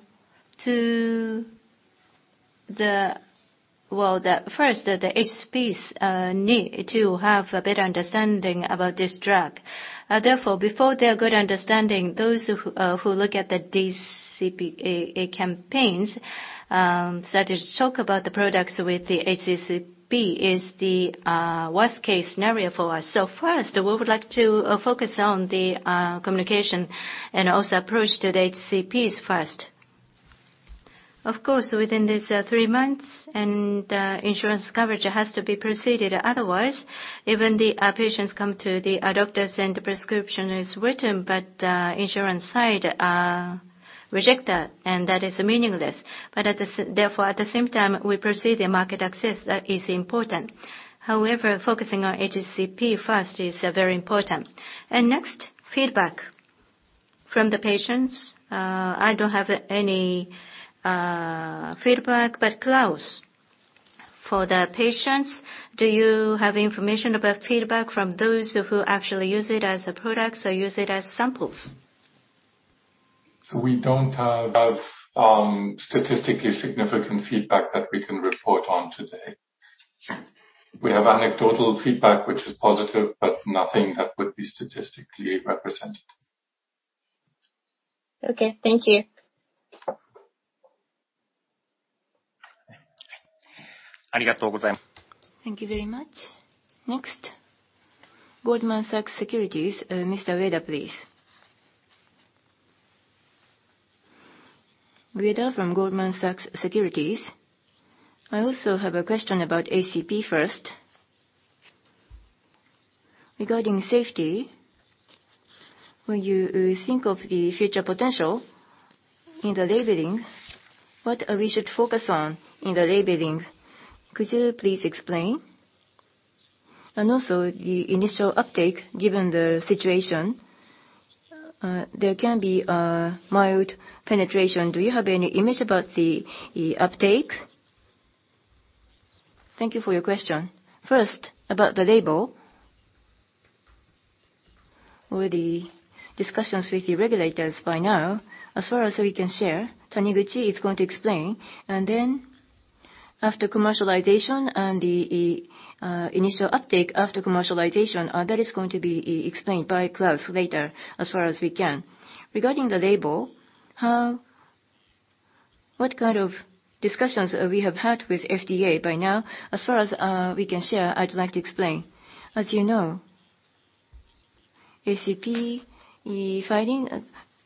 the HCPs need to have a better understanding about this drug. Therefore, before their good understanding, those who look at the DTCPA campaigns start to talk about the products with the HCP is the worst-case scenario for us. First, we would like to focus on the communication and also approach to the HCPs first. Of course, within this 3 months, insurance coverage has to be proceeded, otherwise, even the patients come to the doctors and the prescription is written, but insurance side reject that, that is meaningless. Therefore, at the same time, we proceed the market access, that is important. However, focusing on HCP first is very important. Next, feedback from the patients. I don't have any feedback, but Claus, for the patients, do you have information about feedback from those who, who actually use it as a product or use it as samples? We don't have statistically significant feedback that we can report on today. We have anecdotal feedback, which is positive, but nothing that would be statistically represented. Okay, thank you. Thank you very much. Goldman Sachs, Mr. Ueda, please. Ueda from Goldman Sachs Securities. I also have a question about ACP first. Regarding safety, when you think of the future potential in the labeling, what we should focus on in the labeling? Could you please explain? Also, the initial uptake, given the situation, there can be a mild penetration. Do you have any image about the uptake? Thank you for your question. First, about the label. With the discussions with the regulators by now, as far as we can share, Taniguchi is going to explain, and then after commercialization and the initial uptake after commercialization, that is going to be explained by Claus later, as far as we can. Regarding the label, what kind of discussions we have had with FDA by now? As far as we can share, I'd like to explain. As you know, ACP filing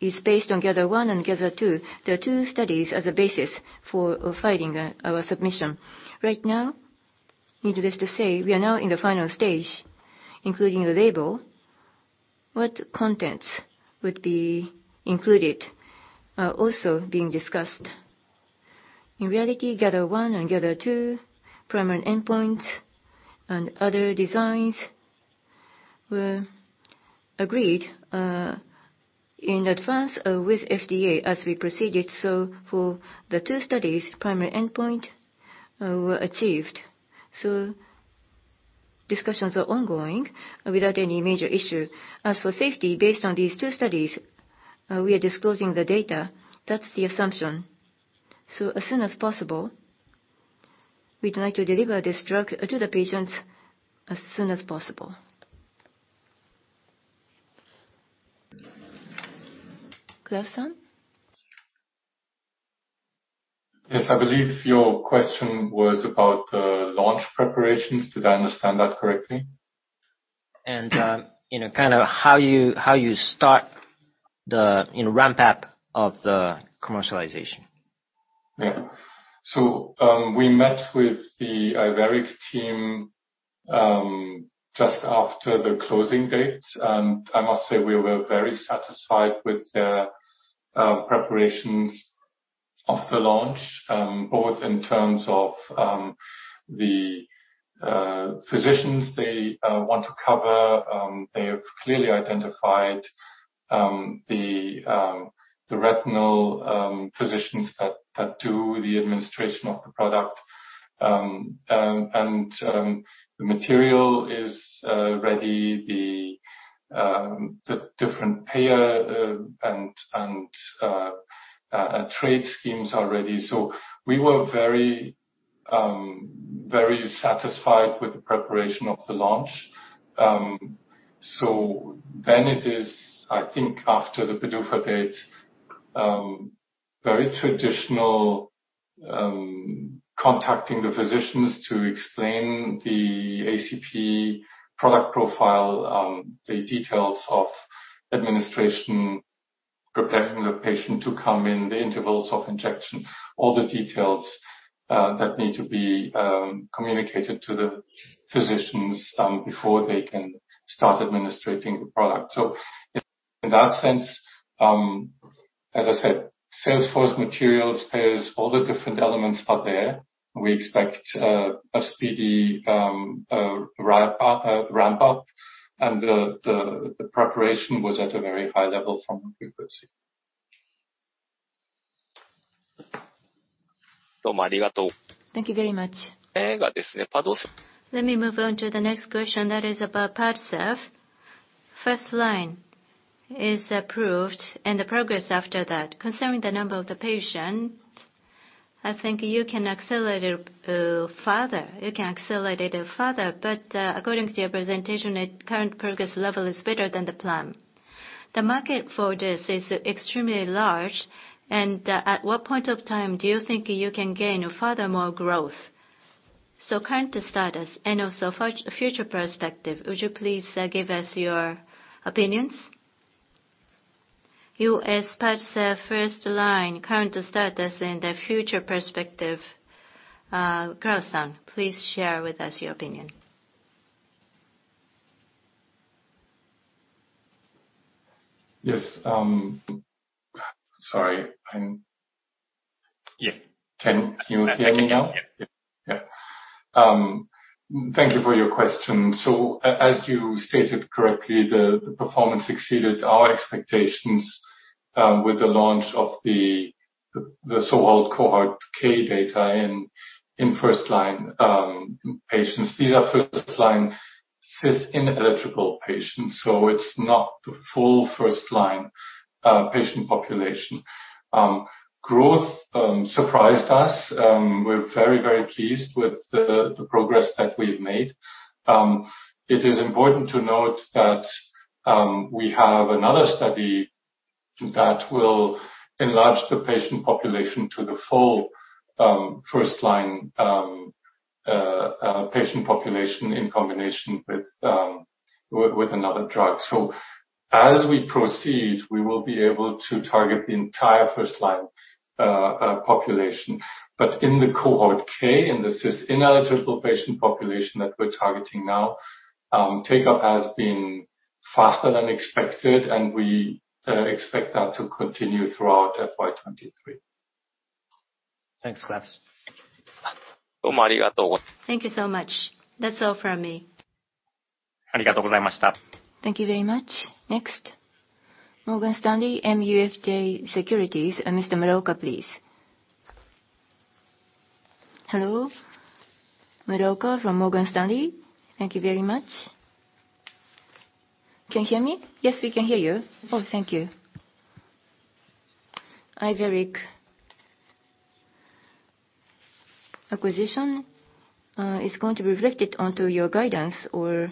is based on GATHER1 and GATHER2. There are 2 studies as a basis for filing our submission. Right now, needless to say, we are now in the final stage, including the label. What contents would be included, are also being discussed. In reality, GATHER1 and GATHER2, primary endpoints and other designs were agreed in advance with FDA as we proceeded. For the 2 studies, primary endpoint were achieved. Discussions are ongoing without any major issue. As for safety, based on these two studies, we are disclosing the data. That's the assumption. As soon as possible, we'd like to deliver this drug to the patients as soon as possible. Claus-san? Yes, I believe your question was about the launch preparations. Did I understand that correctly? You know, kind of how you, how you start the, you know, ramp up of the commercialization. Yeah. We met with the Iveric team just after the closing date, and I must say we were very satisfied with their preparations of the launch. Both in terms of the physicians they want to cover. They have clearly identified the retinal physicians that, that do the administration of the product. And, and, the material is ready, the different payer, and, and, trade schemes are ready. We were very, very satisfied with the preparation of the launch. Then it is, I think, after the PDUFA date, very traditional, contacting the physicians to explain the avacincaptad pegol product profile, the details of administration, preparing the patient to come in, the intervals of injection. All the details that need to be communicated to the physicians before they can start administering the product. In that sense, as I said, sales force materials, payers, all the different elements are there. We expect a speedy ramp-up, ramp-up, and the, the, the preparation was at a very high level from what we could see. Thank you very much. Let me move on to the next question. That is about Padcev. First line is approved and the progress after that. Concerning the number of the patient, I think you can accelerate it further. You can accelerate it further, but according to your presentation, the current progress level is better than the plan. The market for this is extremely large, and at what point of time do you think you can gain further more growth? Current status and also future perspective, would you please give us your opinions? You, as Padcev first line, current status and the future perspective, Claus-san, please share with us your opinion. Yes. Sorry, I'm- Yes. Can you hear me now? Yeah. Yeah. Thank you for your question. As you stated correctly, the performance exceeded our expectations with the launch of the so-called Cohort K data in first line patients. These are first line cisplatin-ineligible patients, so it's not the full first line patient population. Growth surprised us. We're very, very pleased with the progress that we've made. It is important to note that we have another study that will enlarge the patient population to the full first line patient population in combination with another drug. As we proceed, we will be able to target the entire first line population. In the Cohort K, in the cisplatin-ineligible patient population that we're targeting now, take-up has been faster than expected, and we expect that to continue throughout FY 2023. Thanks, Claus. Thank you so much. That's all from me. Thank you very much. Thank you very much. Morgan Stanley MUFG Securities, and Mr. Muroka, please. Hello, Muroka from Morgan Stanley. Thank you very much. Can you hear me? Yes, we can hear you. Thank you. Iveric. Acquisition is going to be reflected onto your guidance or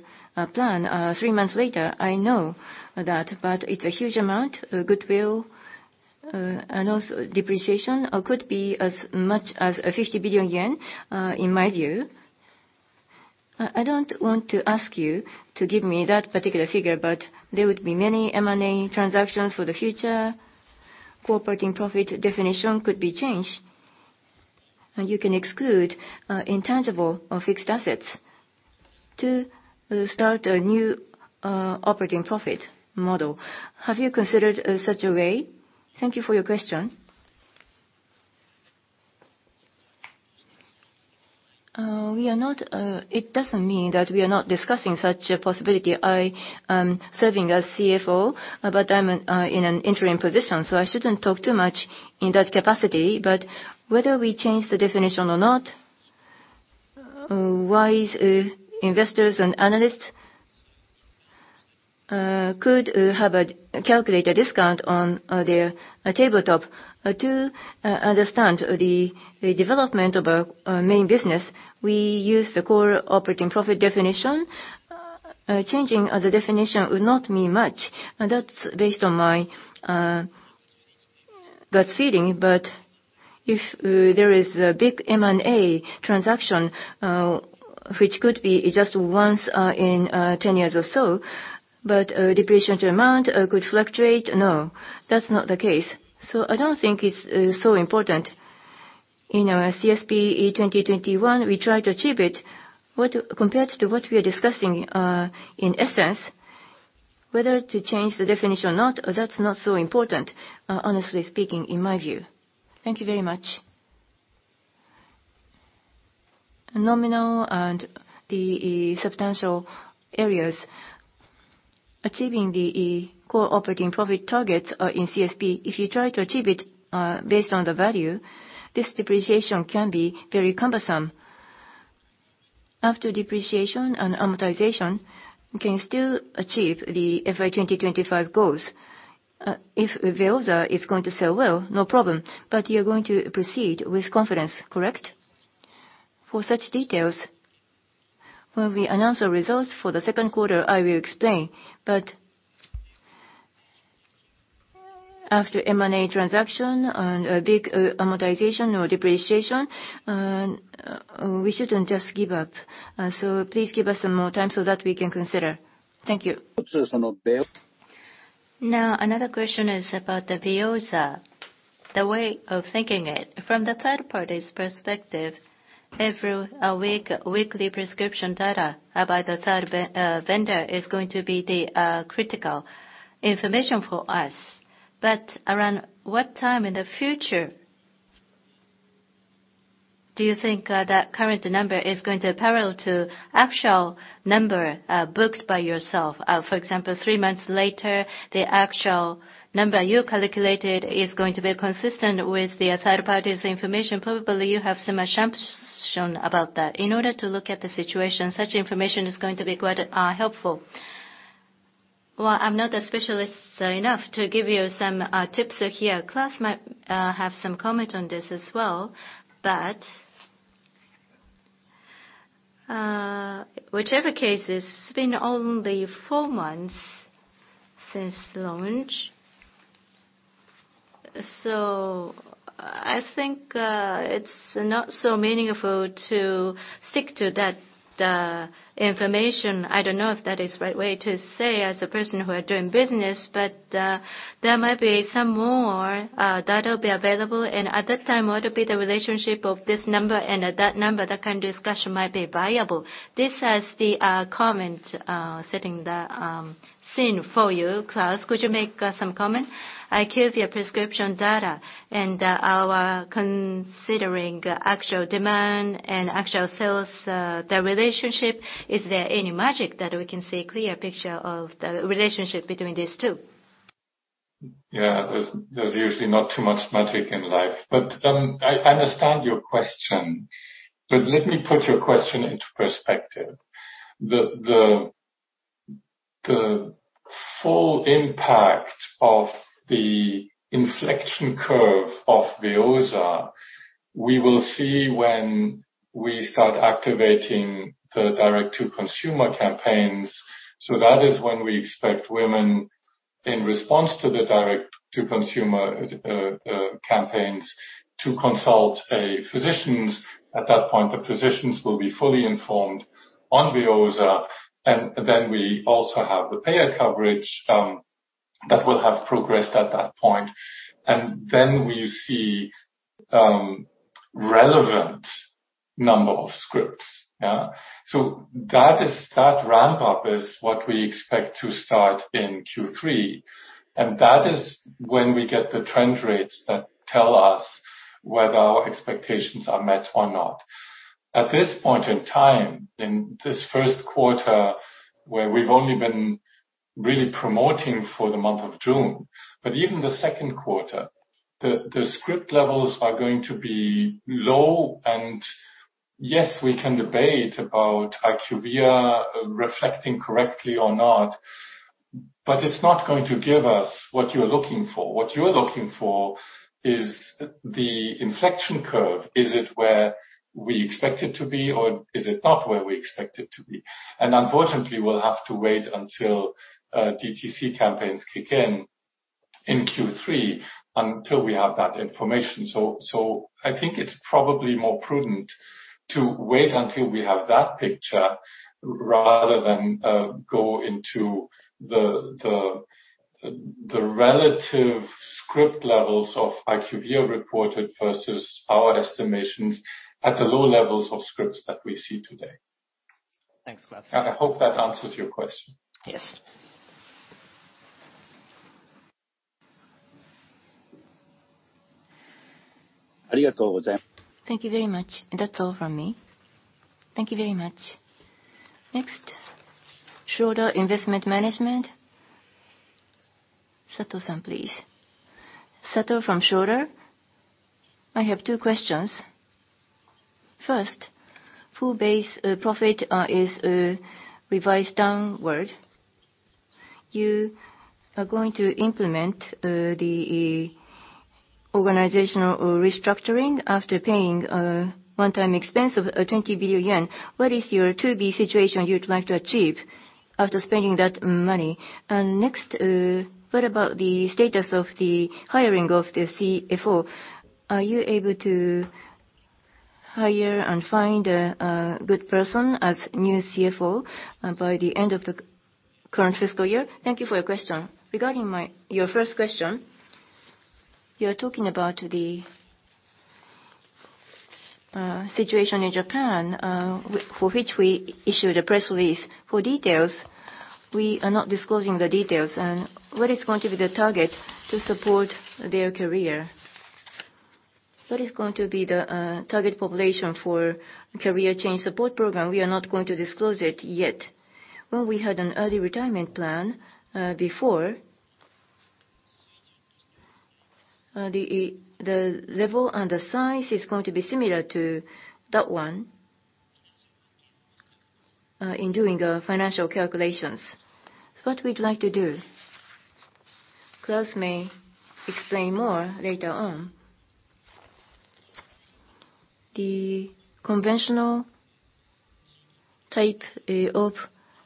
plan 3 months later. I know that, it's a huge amount goodwill and also depreciation could be as much as 50 billion yen in my view. I don't want to ask you to give me that particular figure, there would be many M&A transactions for the future. Corporate profit definition could be changed, you can exclude intangible or fixed assets to start a new operating profit model. Have you considered such a way? Thank you for your question. We are not, it doesn't mean that we are not discussing such a possibility. I am serving as CFO, but I'm in an interim position, so I shouldn't talk too much in that capacity. Whether we change the definition or not, wise investors and analysts could have a calculator discount on their tabletop. To understand the development of our main business, we use the core operating profit definition. Changing of the definition would not mean much, and that's based on my gut feeling. If there is a big M&A transaction, which could be just once in 10 years or so, but depreciation demand could fluctuate. No, that's not the case. I don't think it's so important. In our CSP 2021, we try to achieve it. Compared to what we are discussing, in essence, whether to change the definition or not, that's not so important, honestly speaking, in my view. Thank you very much. Nominal and the substantial areas, achieving the core operating profit targets, in CSP, if you try to achieve it, based on the value, this depreciation can be very cumbersome. After depreciation and amortization, we can still achieve the FY 2025 goals. If the Veozah is going to sell well, no problem, but you're going to proceed with confidence, correct? For such details, when we announce the results for the Q2, I will explain. After M&A transaction and a big amortization or depreciation, we shouldn't just give up. Please give us some more time so that we can consider. Thank you. Now, another question is about the Veozah, the way of thinking it. From the third party's perspective, every week, weekly prescription data by the third vendor, is going to be the critical information for us. Around what time in the future do you think that current number is going to parallel to actual number booked by yourself? For example, 3 months later, the actual number you calculated is going to be consistent with the third party's information. Probably, you have some assumption about that. In order to look at the situation, such information is going to be quite helpful. Well, I'm not a specialist enough to give you some tips here. Claus might have some comment on this as well, but whichever case, it's been only four months since launch. I think it's not so meaningful to stick to that information. I don't know if that is the right way to say as a person who are doing business, but there might be some more data be available, and at that time, what would be the relationship of this number and that number, that kind of discussion might be viable. This as the comment setting the scene for you, Claus. Could you make some comment? IQVIA prescription data and our considering actual demand and actual sales, the relationship, is there any magic that we can see a clear picture of the relationship between these two? Yeah, there's usually not too much magic in life, but I understand your question. Let me put your question into perspective. The full impact of the inflection curve of Veozah, we will see when we start activating the direct-to-consumer campaigns. That is when we expect women, in response to the direct-to-consumer campaigns, to consult a physician. At that point, the physicians will be fully informed on Veozah, then we also have the payer coverage that will have progressed at that point. Then we see relevant number of scripts. Yeah. That ramp-up is what we expect to start in Q3, and that is when we get the trend rates that tell us whether our expectations are met or not. At this point in time, in this 1st quarter, where we've only been really promoting for the month of June, but even theQ2, the script levels are going to be low. Yes, we can debate about IQVIA reflecting correctly or not, but it's not going to give us what you're looking for. What you're looking for is the inflection curve. Is it where we expect it to be, or is it not where we expect it to be? Unfortunately, we'll have to wait until DTC campaigns kick in in Q3, until we have that information. I think it's probably more prudent to wait until we have that picture, rather than go into the relative script levels of IQVIA reported versus our estimations at the low levels of scripts that we see today. Thanks, Claus. I hope that answers your question. Yes. Thank you very much. That's all from me. Thank you very much. Next, Schroder Investment Management. Sato-san, please. Sato from Schroder. I have two questions. First, full base profit is revised downward. You are going to implement the organizational restructuring after paying 1-time expense of 20 billion yen. What is your to-be situation you'd like to achieve after spending that money? Next, what about the status of the hiring of the CFO? Are you able to hire and find a good person as new CFO by the end of the current fiscal year? Thank you for your question. Regarding your first question, you're talking about the situation in Japan for which we issued a press release. For details, we are not disclosing the details and what is going to be the target to support their career. What is going to be the target population for career change support program? We are not going to disclose it yet. Well, we had an early retirement plan before. The, the level and the size is going to be similar to that one in doing financial calculations. What we'd like to do, Claus may explain more later on. The conventional type of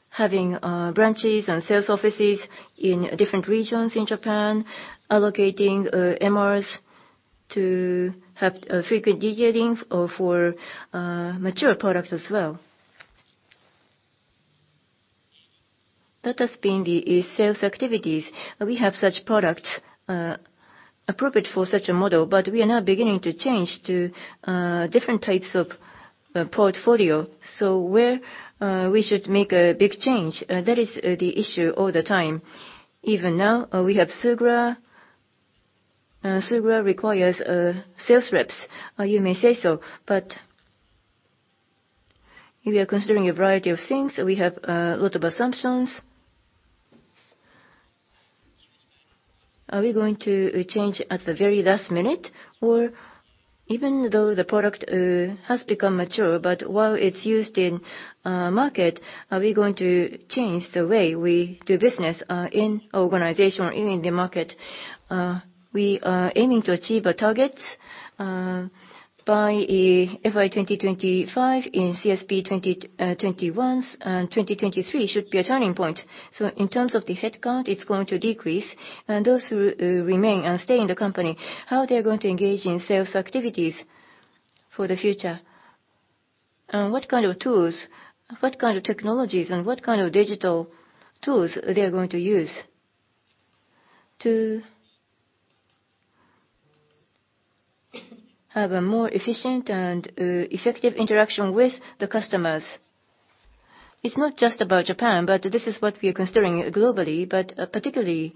having branches and sales offices in different regions in Japan, allocating MRs to have frequent detailing or for mature products as well. That has been the sales activities. We have such products appropriate for such a model, but we are now beginning to change to different types of portfolio. Where we should make a big change, that is the issue all the time. Even now, we have Suglat. Suglat requires sales reps. You may say so, but we are considering a variety of things. We have a lot of assumptions. Are we going to change at the very last minute? Even though the product has become mature, but while it's used in market, are we going to change the way we do business in organization or in the market? We are aiming to achieve our targets by FY 2025, in CSP2021, and 2023 should be a turning point. In terms of the headcount, it's going to decrease, and those who remain and stay in the company, how they are going to engage in sales activities for the future? What kind of tools, what kind of technologies, and what kind of digital tools they are going to use to have a more efficient and effective interaction with the customers? It's not just about Japan, but this is what we are considering globally. Particularly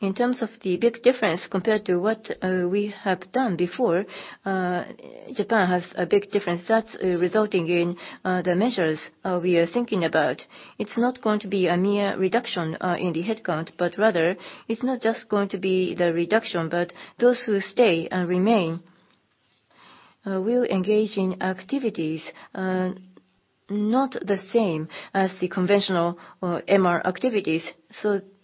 in terms of the big difference compared to what we have done before, Japan has a big difference that's resulting in the measures we are thinking about. It's not going to be a mere reduction in the headcount, but rather, it's not just going to be the reduction, but those who stay and remain will engage in activities not the same as the conventional MR activities.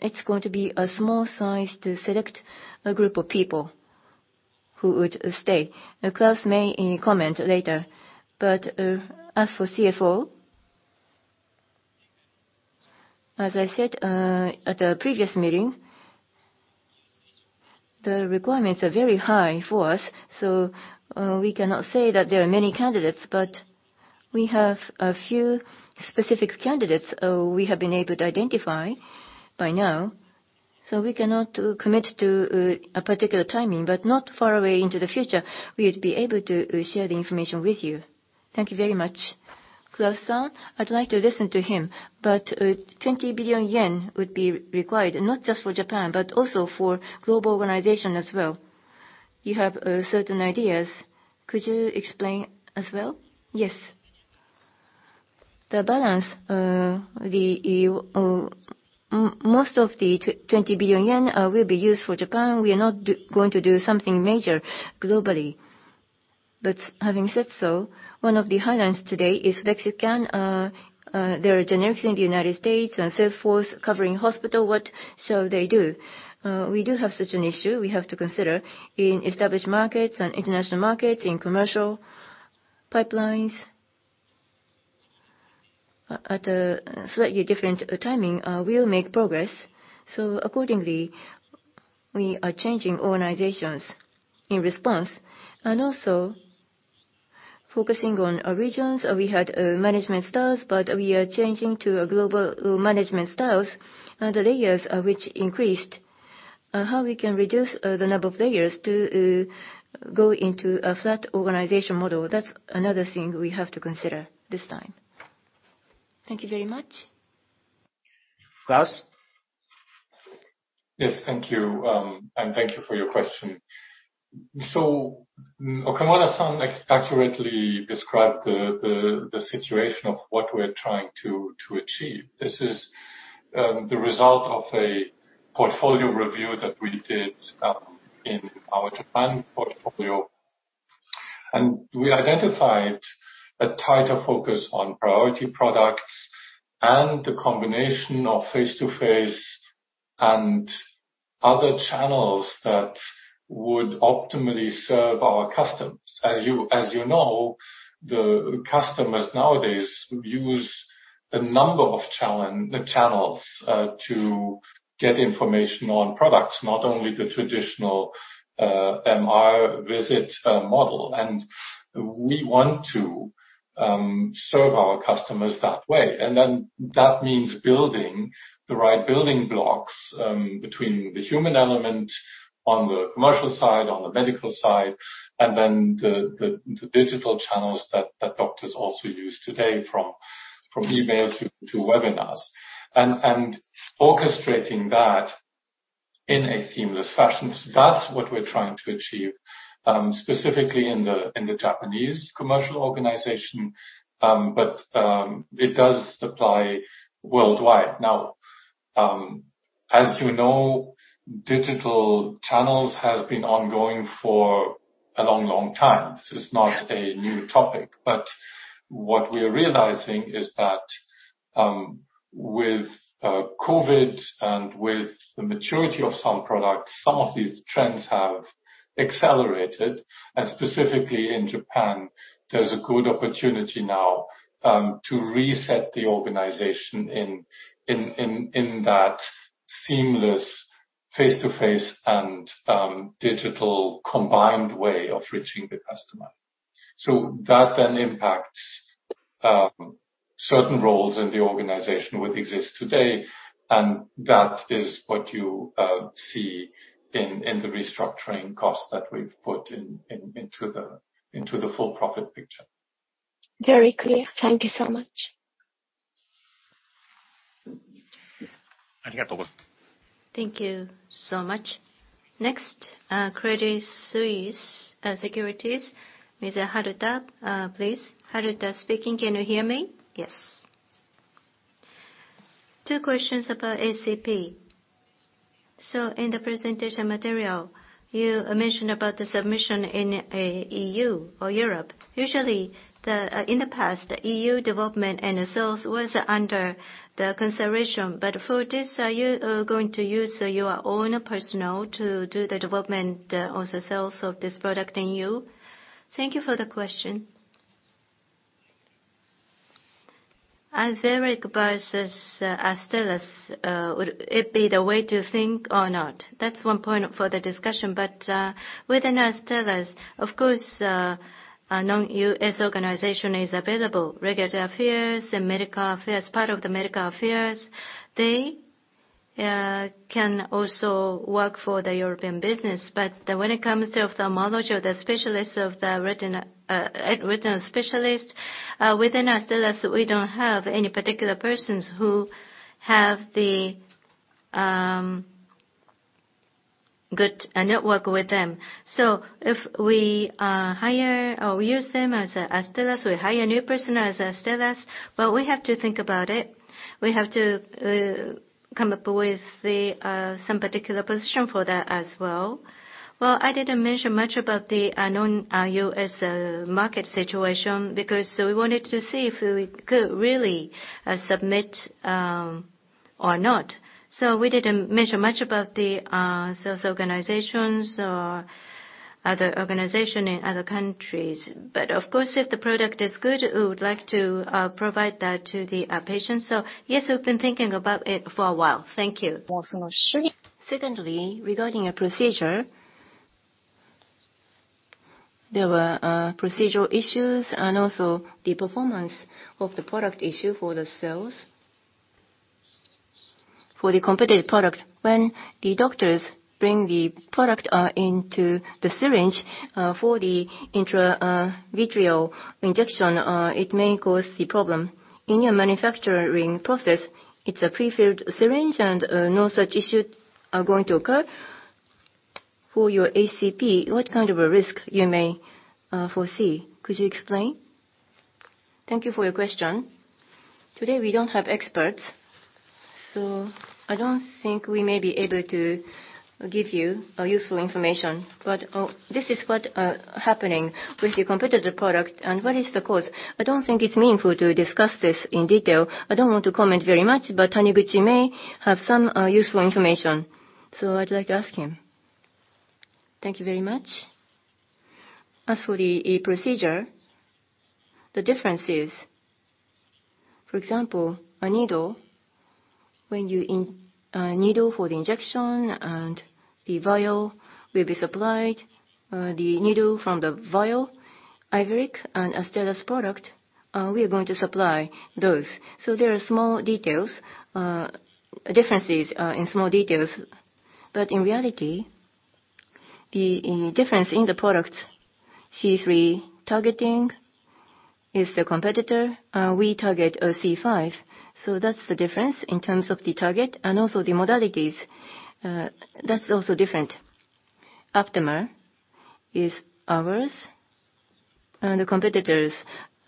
It's going to be a small size to select a group of people who would stay. Claus may comment later. As for CFO, as I said, at a previous meeting, the requirements are very high for us, so we cannot say that there are many candidates, but we have a few specific candidates we have been able to identify by now. We cannot commit to a particular timing, but not far away into the future, we'd be able to share the information with you. Thank you very much. Claus-san, I'd like to listen to him, 20 billion yen would be required, not just for Japan, but also for global organization as well. You have certain ideas. Could you explain as well? Yes. The balance, the most of the 20 billion yen will be used for Japan. We are not going to do something major globally. Having said so, one of the highlights today is Lexiscan. There are generics in the United States and sales force covering hospital, what shall they do? We do have such an issue we have to consider in established markets and international markets, in commercial pipelines. At a slightly different timing, we'll make progress. Accordingly, we are changing organizations in response, and also focusing on our regions. We had management styles, but we are changing to a global management styles, and the layers are which increased. How we can reduce the number of layers to go into a flat organization model, that's another thing we have to consider this time. Thank you very much. Claus? Yes, thank you, and thank you for your question. Okamura-san accurately described the situation of what we're trying to achieve. This is the result of a portfolio review that we did in our Japan portfolio. We identified a tighter focus on priority products and the combination of face-to-face and other channels that would optimally serve our customers. As you, as you know, the customers nowadays use a number of channels to get information on products, not only the traditional MR visit model. We want to serve our customers that way. That means building the right building blocks between the human element on the commercial side, on the medical side, and then the, the, the digital channels that, that doctors also use today, from, from email to, to webinars, and, and orchestrating that in a seamless fashion. That's what we're trying to achieve specifically in the Japanese commercial organization. It does apply worldwide. As you know, digital channels has been ongoing for a long, long time. This is not a new topic. What we are realizing is that with COVID and with the maturity of some products, some of these trends have accelerated. Specifically in Japan, there's a good opportunity now to reset the organization in, in, in, in that seamless face-to-face and digital combined way of reaching the customer. That then impacts certain roles in the organization which exist today, and that is what you see in the restructuring costs that we've put into the full profit picture. Very clear. Thank you so much. Thank you. Thank you so much. Credit Suisse Securities, Mr. Haruta, please. Haruta speaking. Can you hear me? Yes. Two questions about avacincaptad pegol. In the presentation material, you mentioned about the submission in EU or Europe. Usually, in the past, the EU development and the sales was under the consideration, but for this, are you going to use your own personnel to do the development or the sales of this product in EU? Thank you for the question. Iveric and Astellas, would it be the way to think or not? That's one point for the discussion. Within Astellas, of course, a non-US organization is available. Regulatory affairs and medical affairs, part of the medical affairs, they can also work for the European business. When it comes to ophthalmology or the specialists of the retina, retina specialist, within Astellas, we don't have any particular persons who have the good network with them. If we hire or use them as Astellas, we hire new person as Astellas, well, we have to think about it. We have to come up with the some particular position for that as well. I didn't mention much about the non-US market situation, because we wanted to see if we could really submit or not. We didn't mention much about the sales organizations or other organization in other countries. Of course, if the product is good, we would like to provide that to the patients. Yes, we've been thinking about it for a while. Thank you. Thank you so much. Secondly, regarding a procedure, there were procedural issues and also the performance of the product issue for the sales. For the competitive product, when the doctors bring the product into the syringe for the intravitreal injection, it may cause the problem. In your manufacturing process, it's a prefilled syringe, and no such issues are going to occur. For your avacincaptad pegol, what kind of a risk you may foresee? Could you explain? Thank you for your question. Today, we don't have experts, so I don't think we may be able to give you useful information. This is what happening with the competitive product and what is the cause. I don't think it's meaningful to discuss this in detail. I don't want to comment very much, but Taniguchi may have some useful information, so I'd like to ask him. Thank you very much. As for the procedure, the difference is, for example, a needle, when you a needle for the injection and the vial will be supplied, the needle from the vial, Iveric and Astellas product, we are going to supply those. There are small details, differences, in small details. The difference in the products, C3 targeting is the competitor, we target C5. That's the difference in terms of the target and also the modalities, that's also different. Aptamer is ours, and the competitor's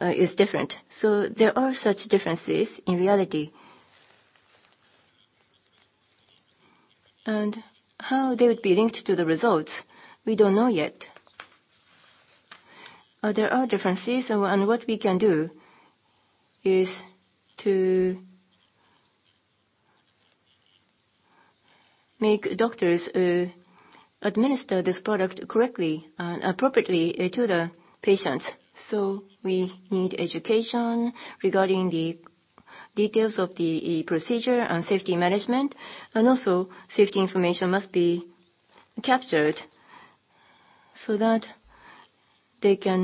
is different. There are such differences in reality. How they would be linked to the results, we don't know yet. There are differences. What we can do is to make doctors administer this product correctly and appropriately to the patients. We need education regarding the details of the procedure and safety management, and also safety information must be captured so that they can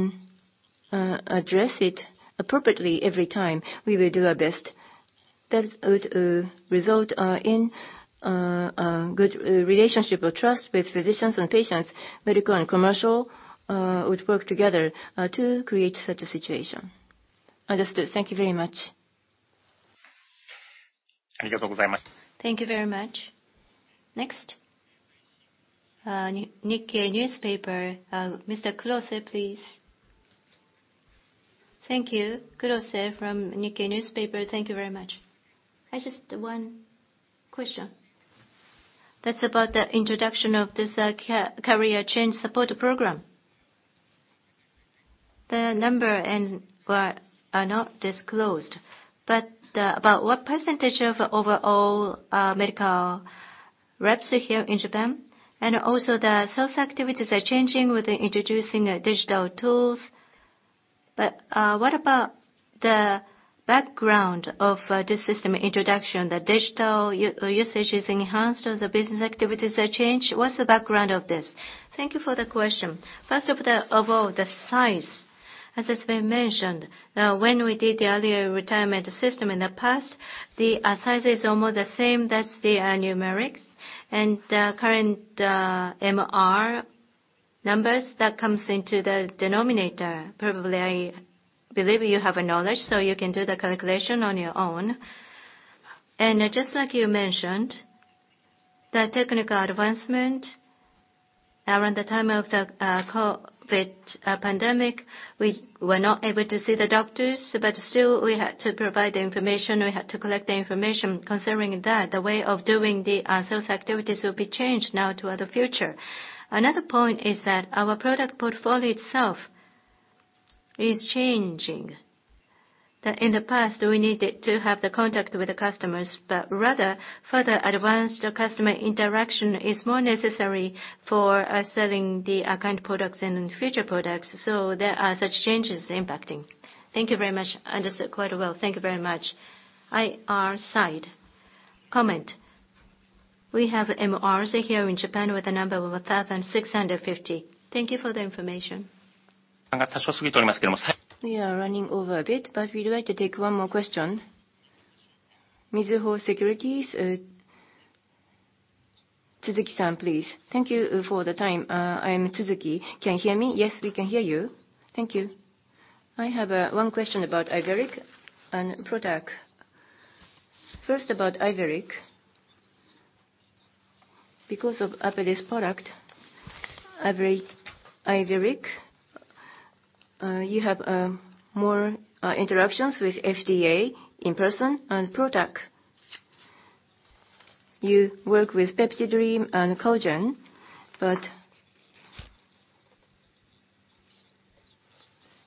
address it appropriately every time. We will do our best. That would result in a good relationship of trust with physicians and patients. Medical and commercial would work together to create such a situation. Understood. Thank you very much. Thank you very much. Next, Nikkei Newspaper, Mr. Kurose, please. Thank you. Kurose from Nikkei Newspaper. Thank you very much. I just one question. That's about the introduction of this career change support program. The number and are not disclosed, but about what % of overall medical reps are here in Japan? Also, the sales activities are changing with the introducing of digital tools. What about the background of this system introduction? The digital usage is enhanced, or the business activities are changed. What's the background of this? Thank you for the question. First of all, the size, as has been mentioned, when we did the earlier retirement system in the past, the size is almost the same as the numerics and current MR numbers that comes into the denominator. Probably, I believe you have a knowledge, so you can do the calculation on your own. Just like you mentioned, the technical advancement around the time of the COVID pandemic, we were not able to see the doctors, but still we had to provide the information, we had to collect the information. Concerning that, the way of doing the sales activities will be changed now toward the future. Another point is that our product portfolio itself is changing. In the past, we needed to have the contact with the customers, but rather, further advanced customer interaction is more necessary for selling the current products and future products, so there are such changes impacting. Thank you very much. Understood quite well. Thank you very much. IR side, comment: We have MRs here in Japan with a number of 1,650. Thank you for the information. We are running over a bit, but we'd like to take one more question. Mizuho Securities, Tsuzuki-san, please. Thank you for the time. I am Tsuzuki. Can you hear me? Yes, we can hear you. Thank you. I have one question about Iveric and PROTAC. First, about Iveric. Because of Apellis product, Iveric, Iveric, you have more interactions with FDA in person and PROTAC. You work with PeptiDream and Codagenix, but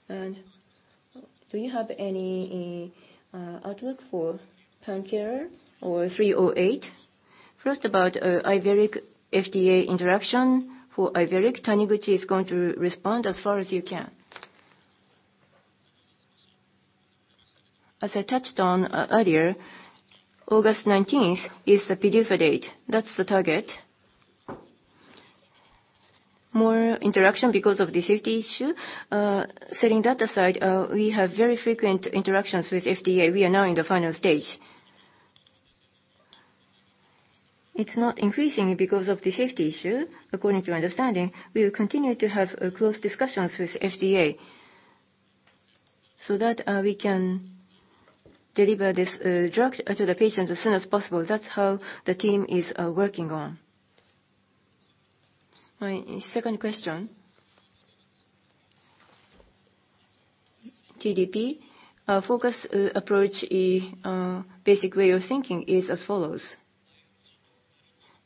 do you have any outlook for Pancreas or 308? First, about Iveric FDA interaction. For Iveric, Taniguchi is going to respond as far as you can. As I touched on earlier, August 19th is the PDUFA date. That's the target. More interaction because of the safety issue. Setting that aside, we have very frequent interactions with FDA. We are now in the final stage. It's not increasing because of the safety issue, according to my understanding. We will continue to have close discussions with FDA so that we can deliver this drug to the patient as soon as possible. That's how the team is working on. My second question. TDP, our focus approach, basic way of thinking is as follows: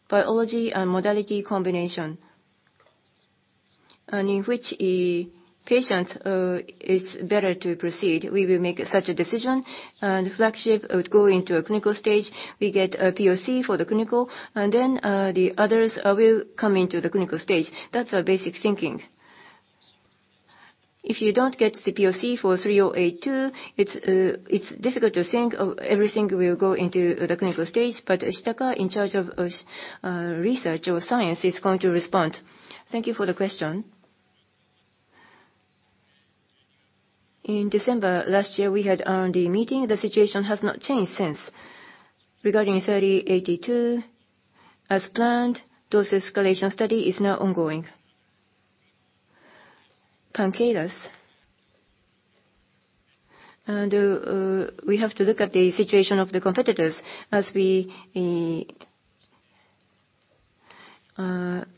Biology and modality combination, and in which patients, it's better to proceed, we will make such a decision, and flagship would go into a clinical stage. We get a POC for the clinical, and then the others will come into the clinical stage. That's our basic thinking. If you don't get the POC for ASP3082, it's difficult to think of everything will go into the clinical stage, but Shitaka, in charge of research or science, is going to respond. Thank you for the question. In December last year, we had the meeting. The situation has not changed since. Regarding ASP3082, as planned, dose escalation study is now ongoing. Pancreas, we have to look at the situation of the competitors. As we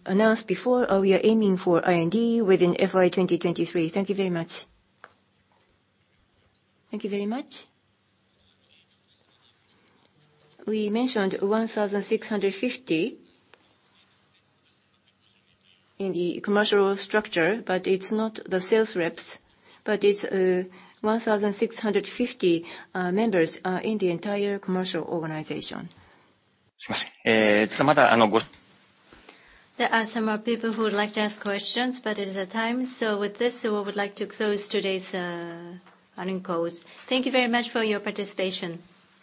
announced before, we are aiming for IND within FY 2023. Thank you very much. Thank you very much. We mentioned 1,650 in the commercial structure, but it's not the sales reps, but it's 1,650 members in the entire commercial organization. There are some more people who would like to ask questions. It's the time. With this, we would like to close today's earnings call. Thank you very much for your participation.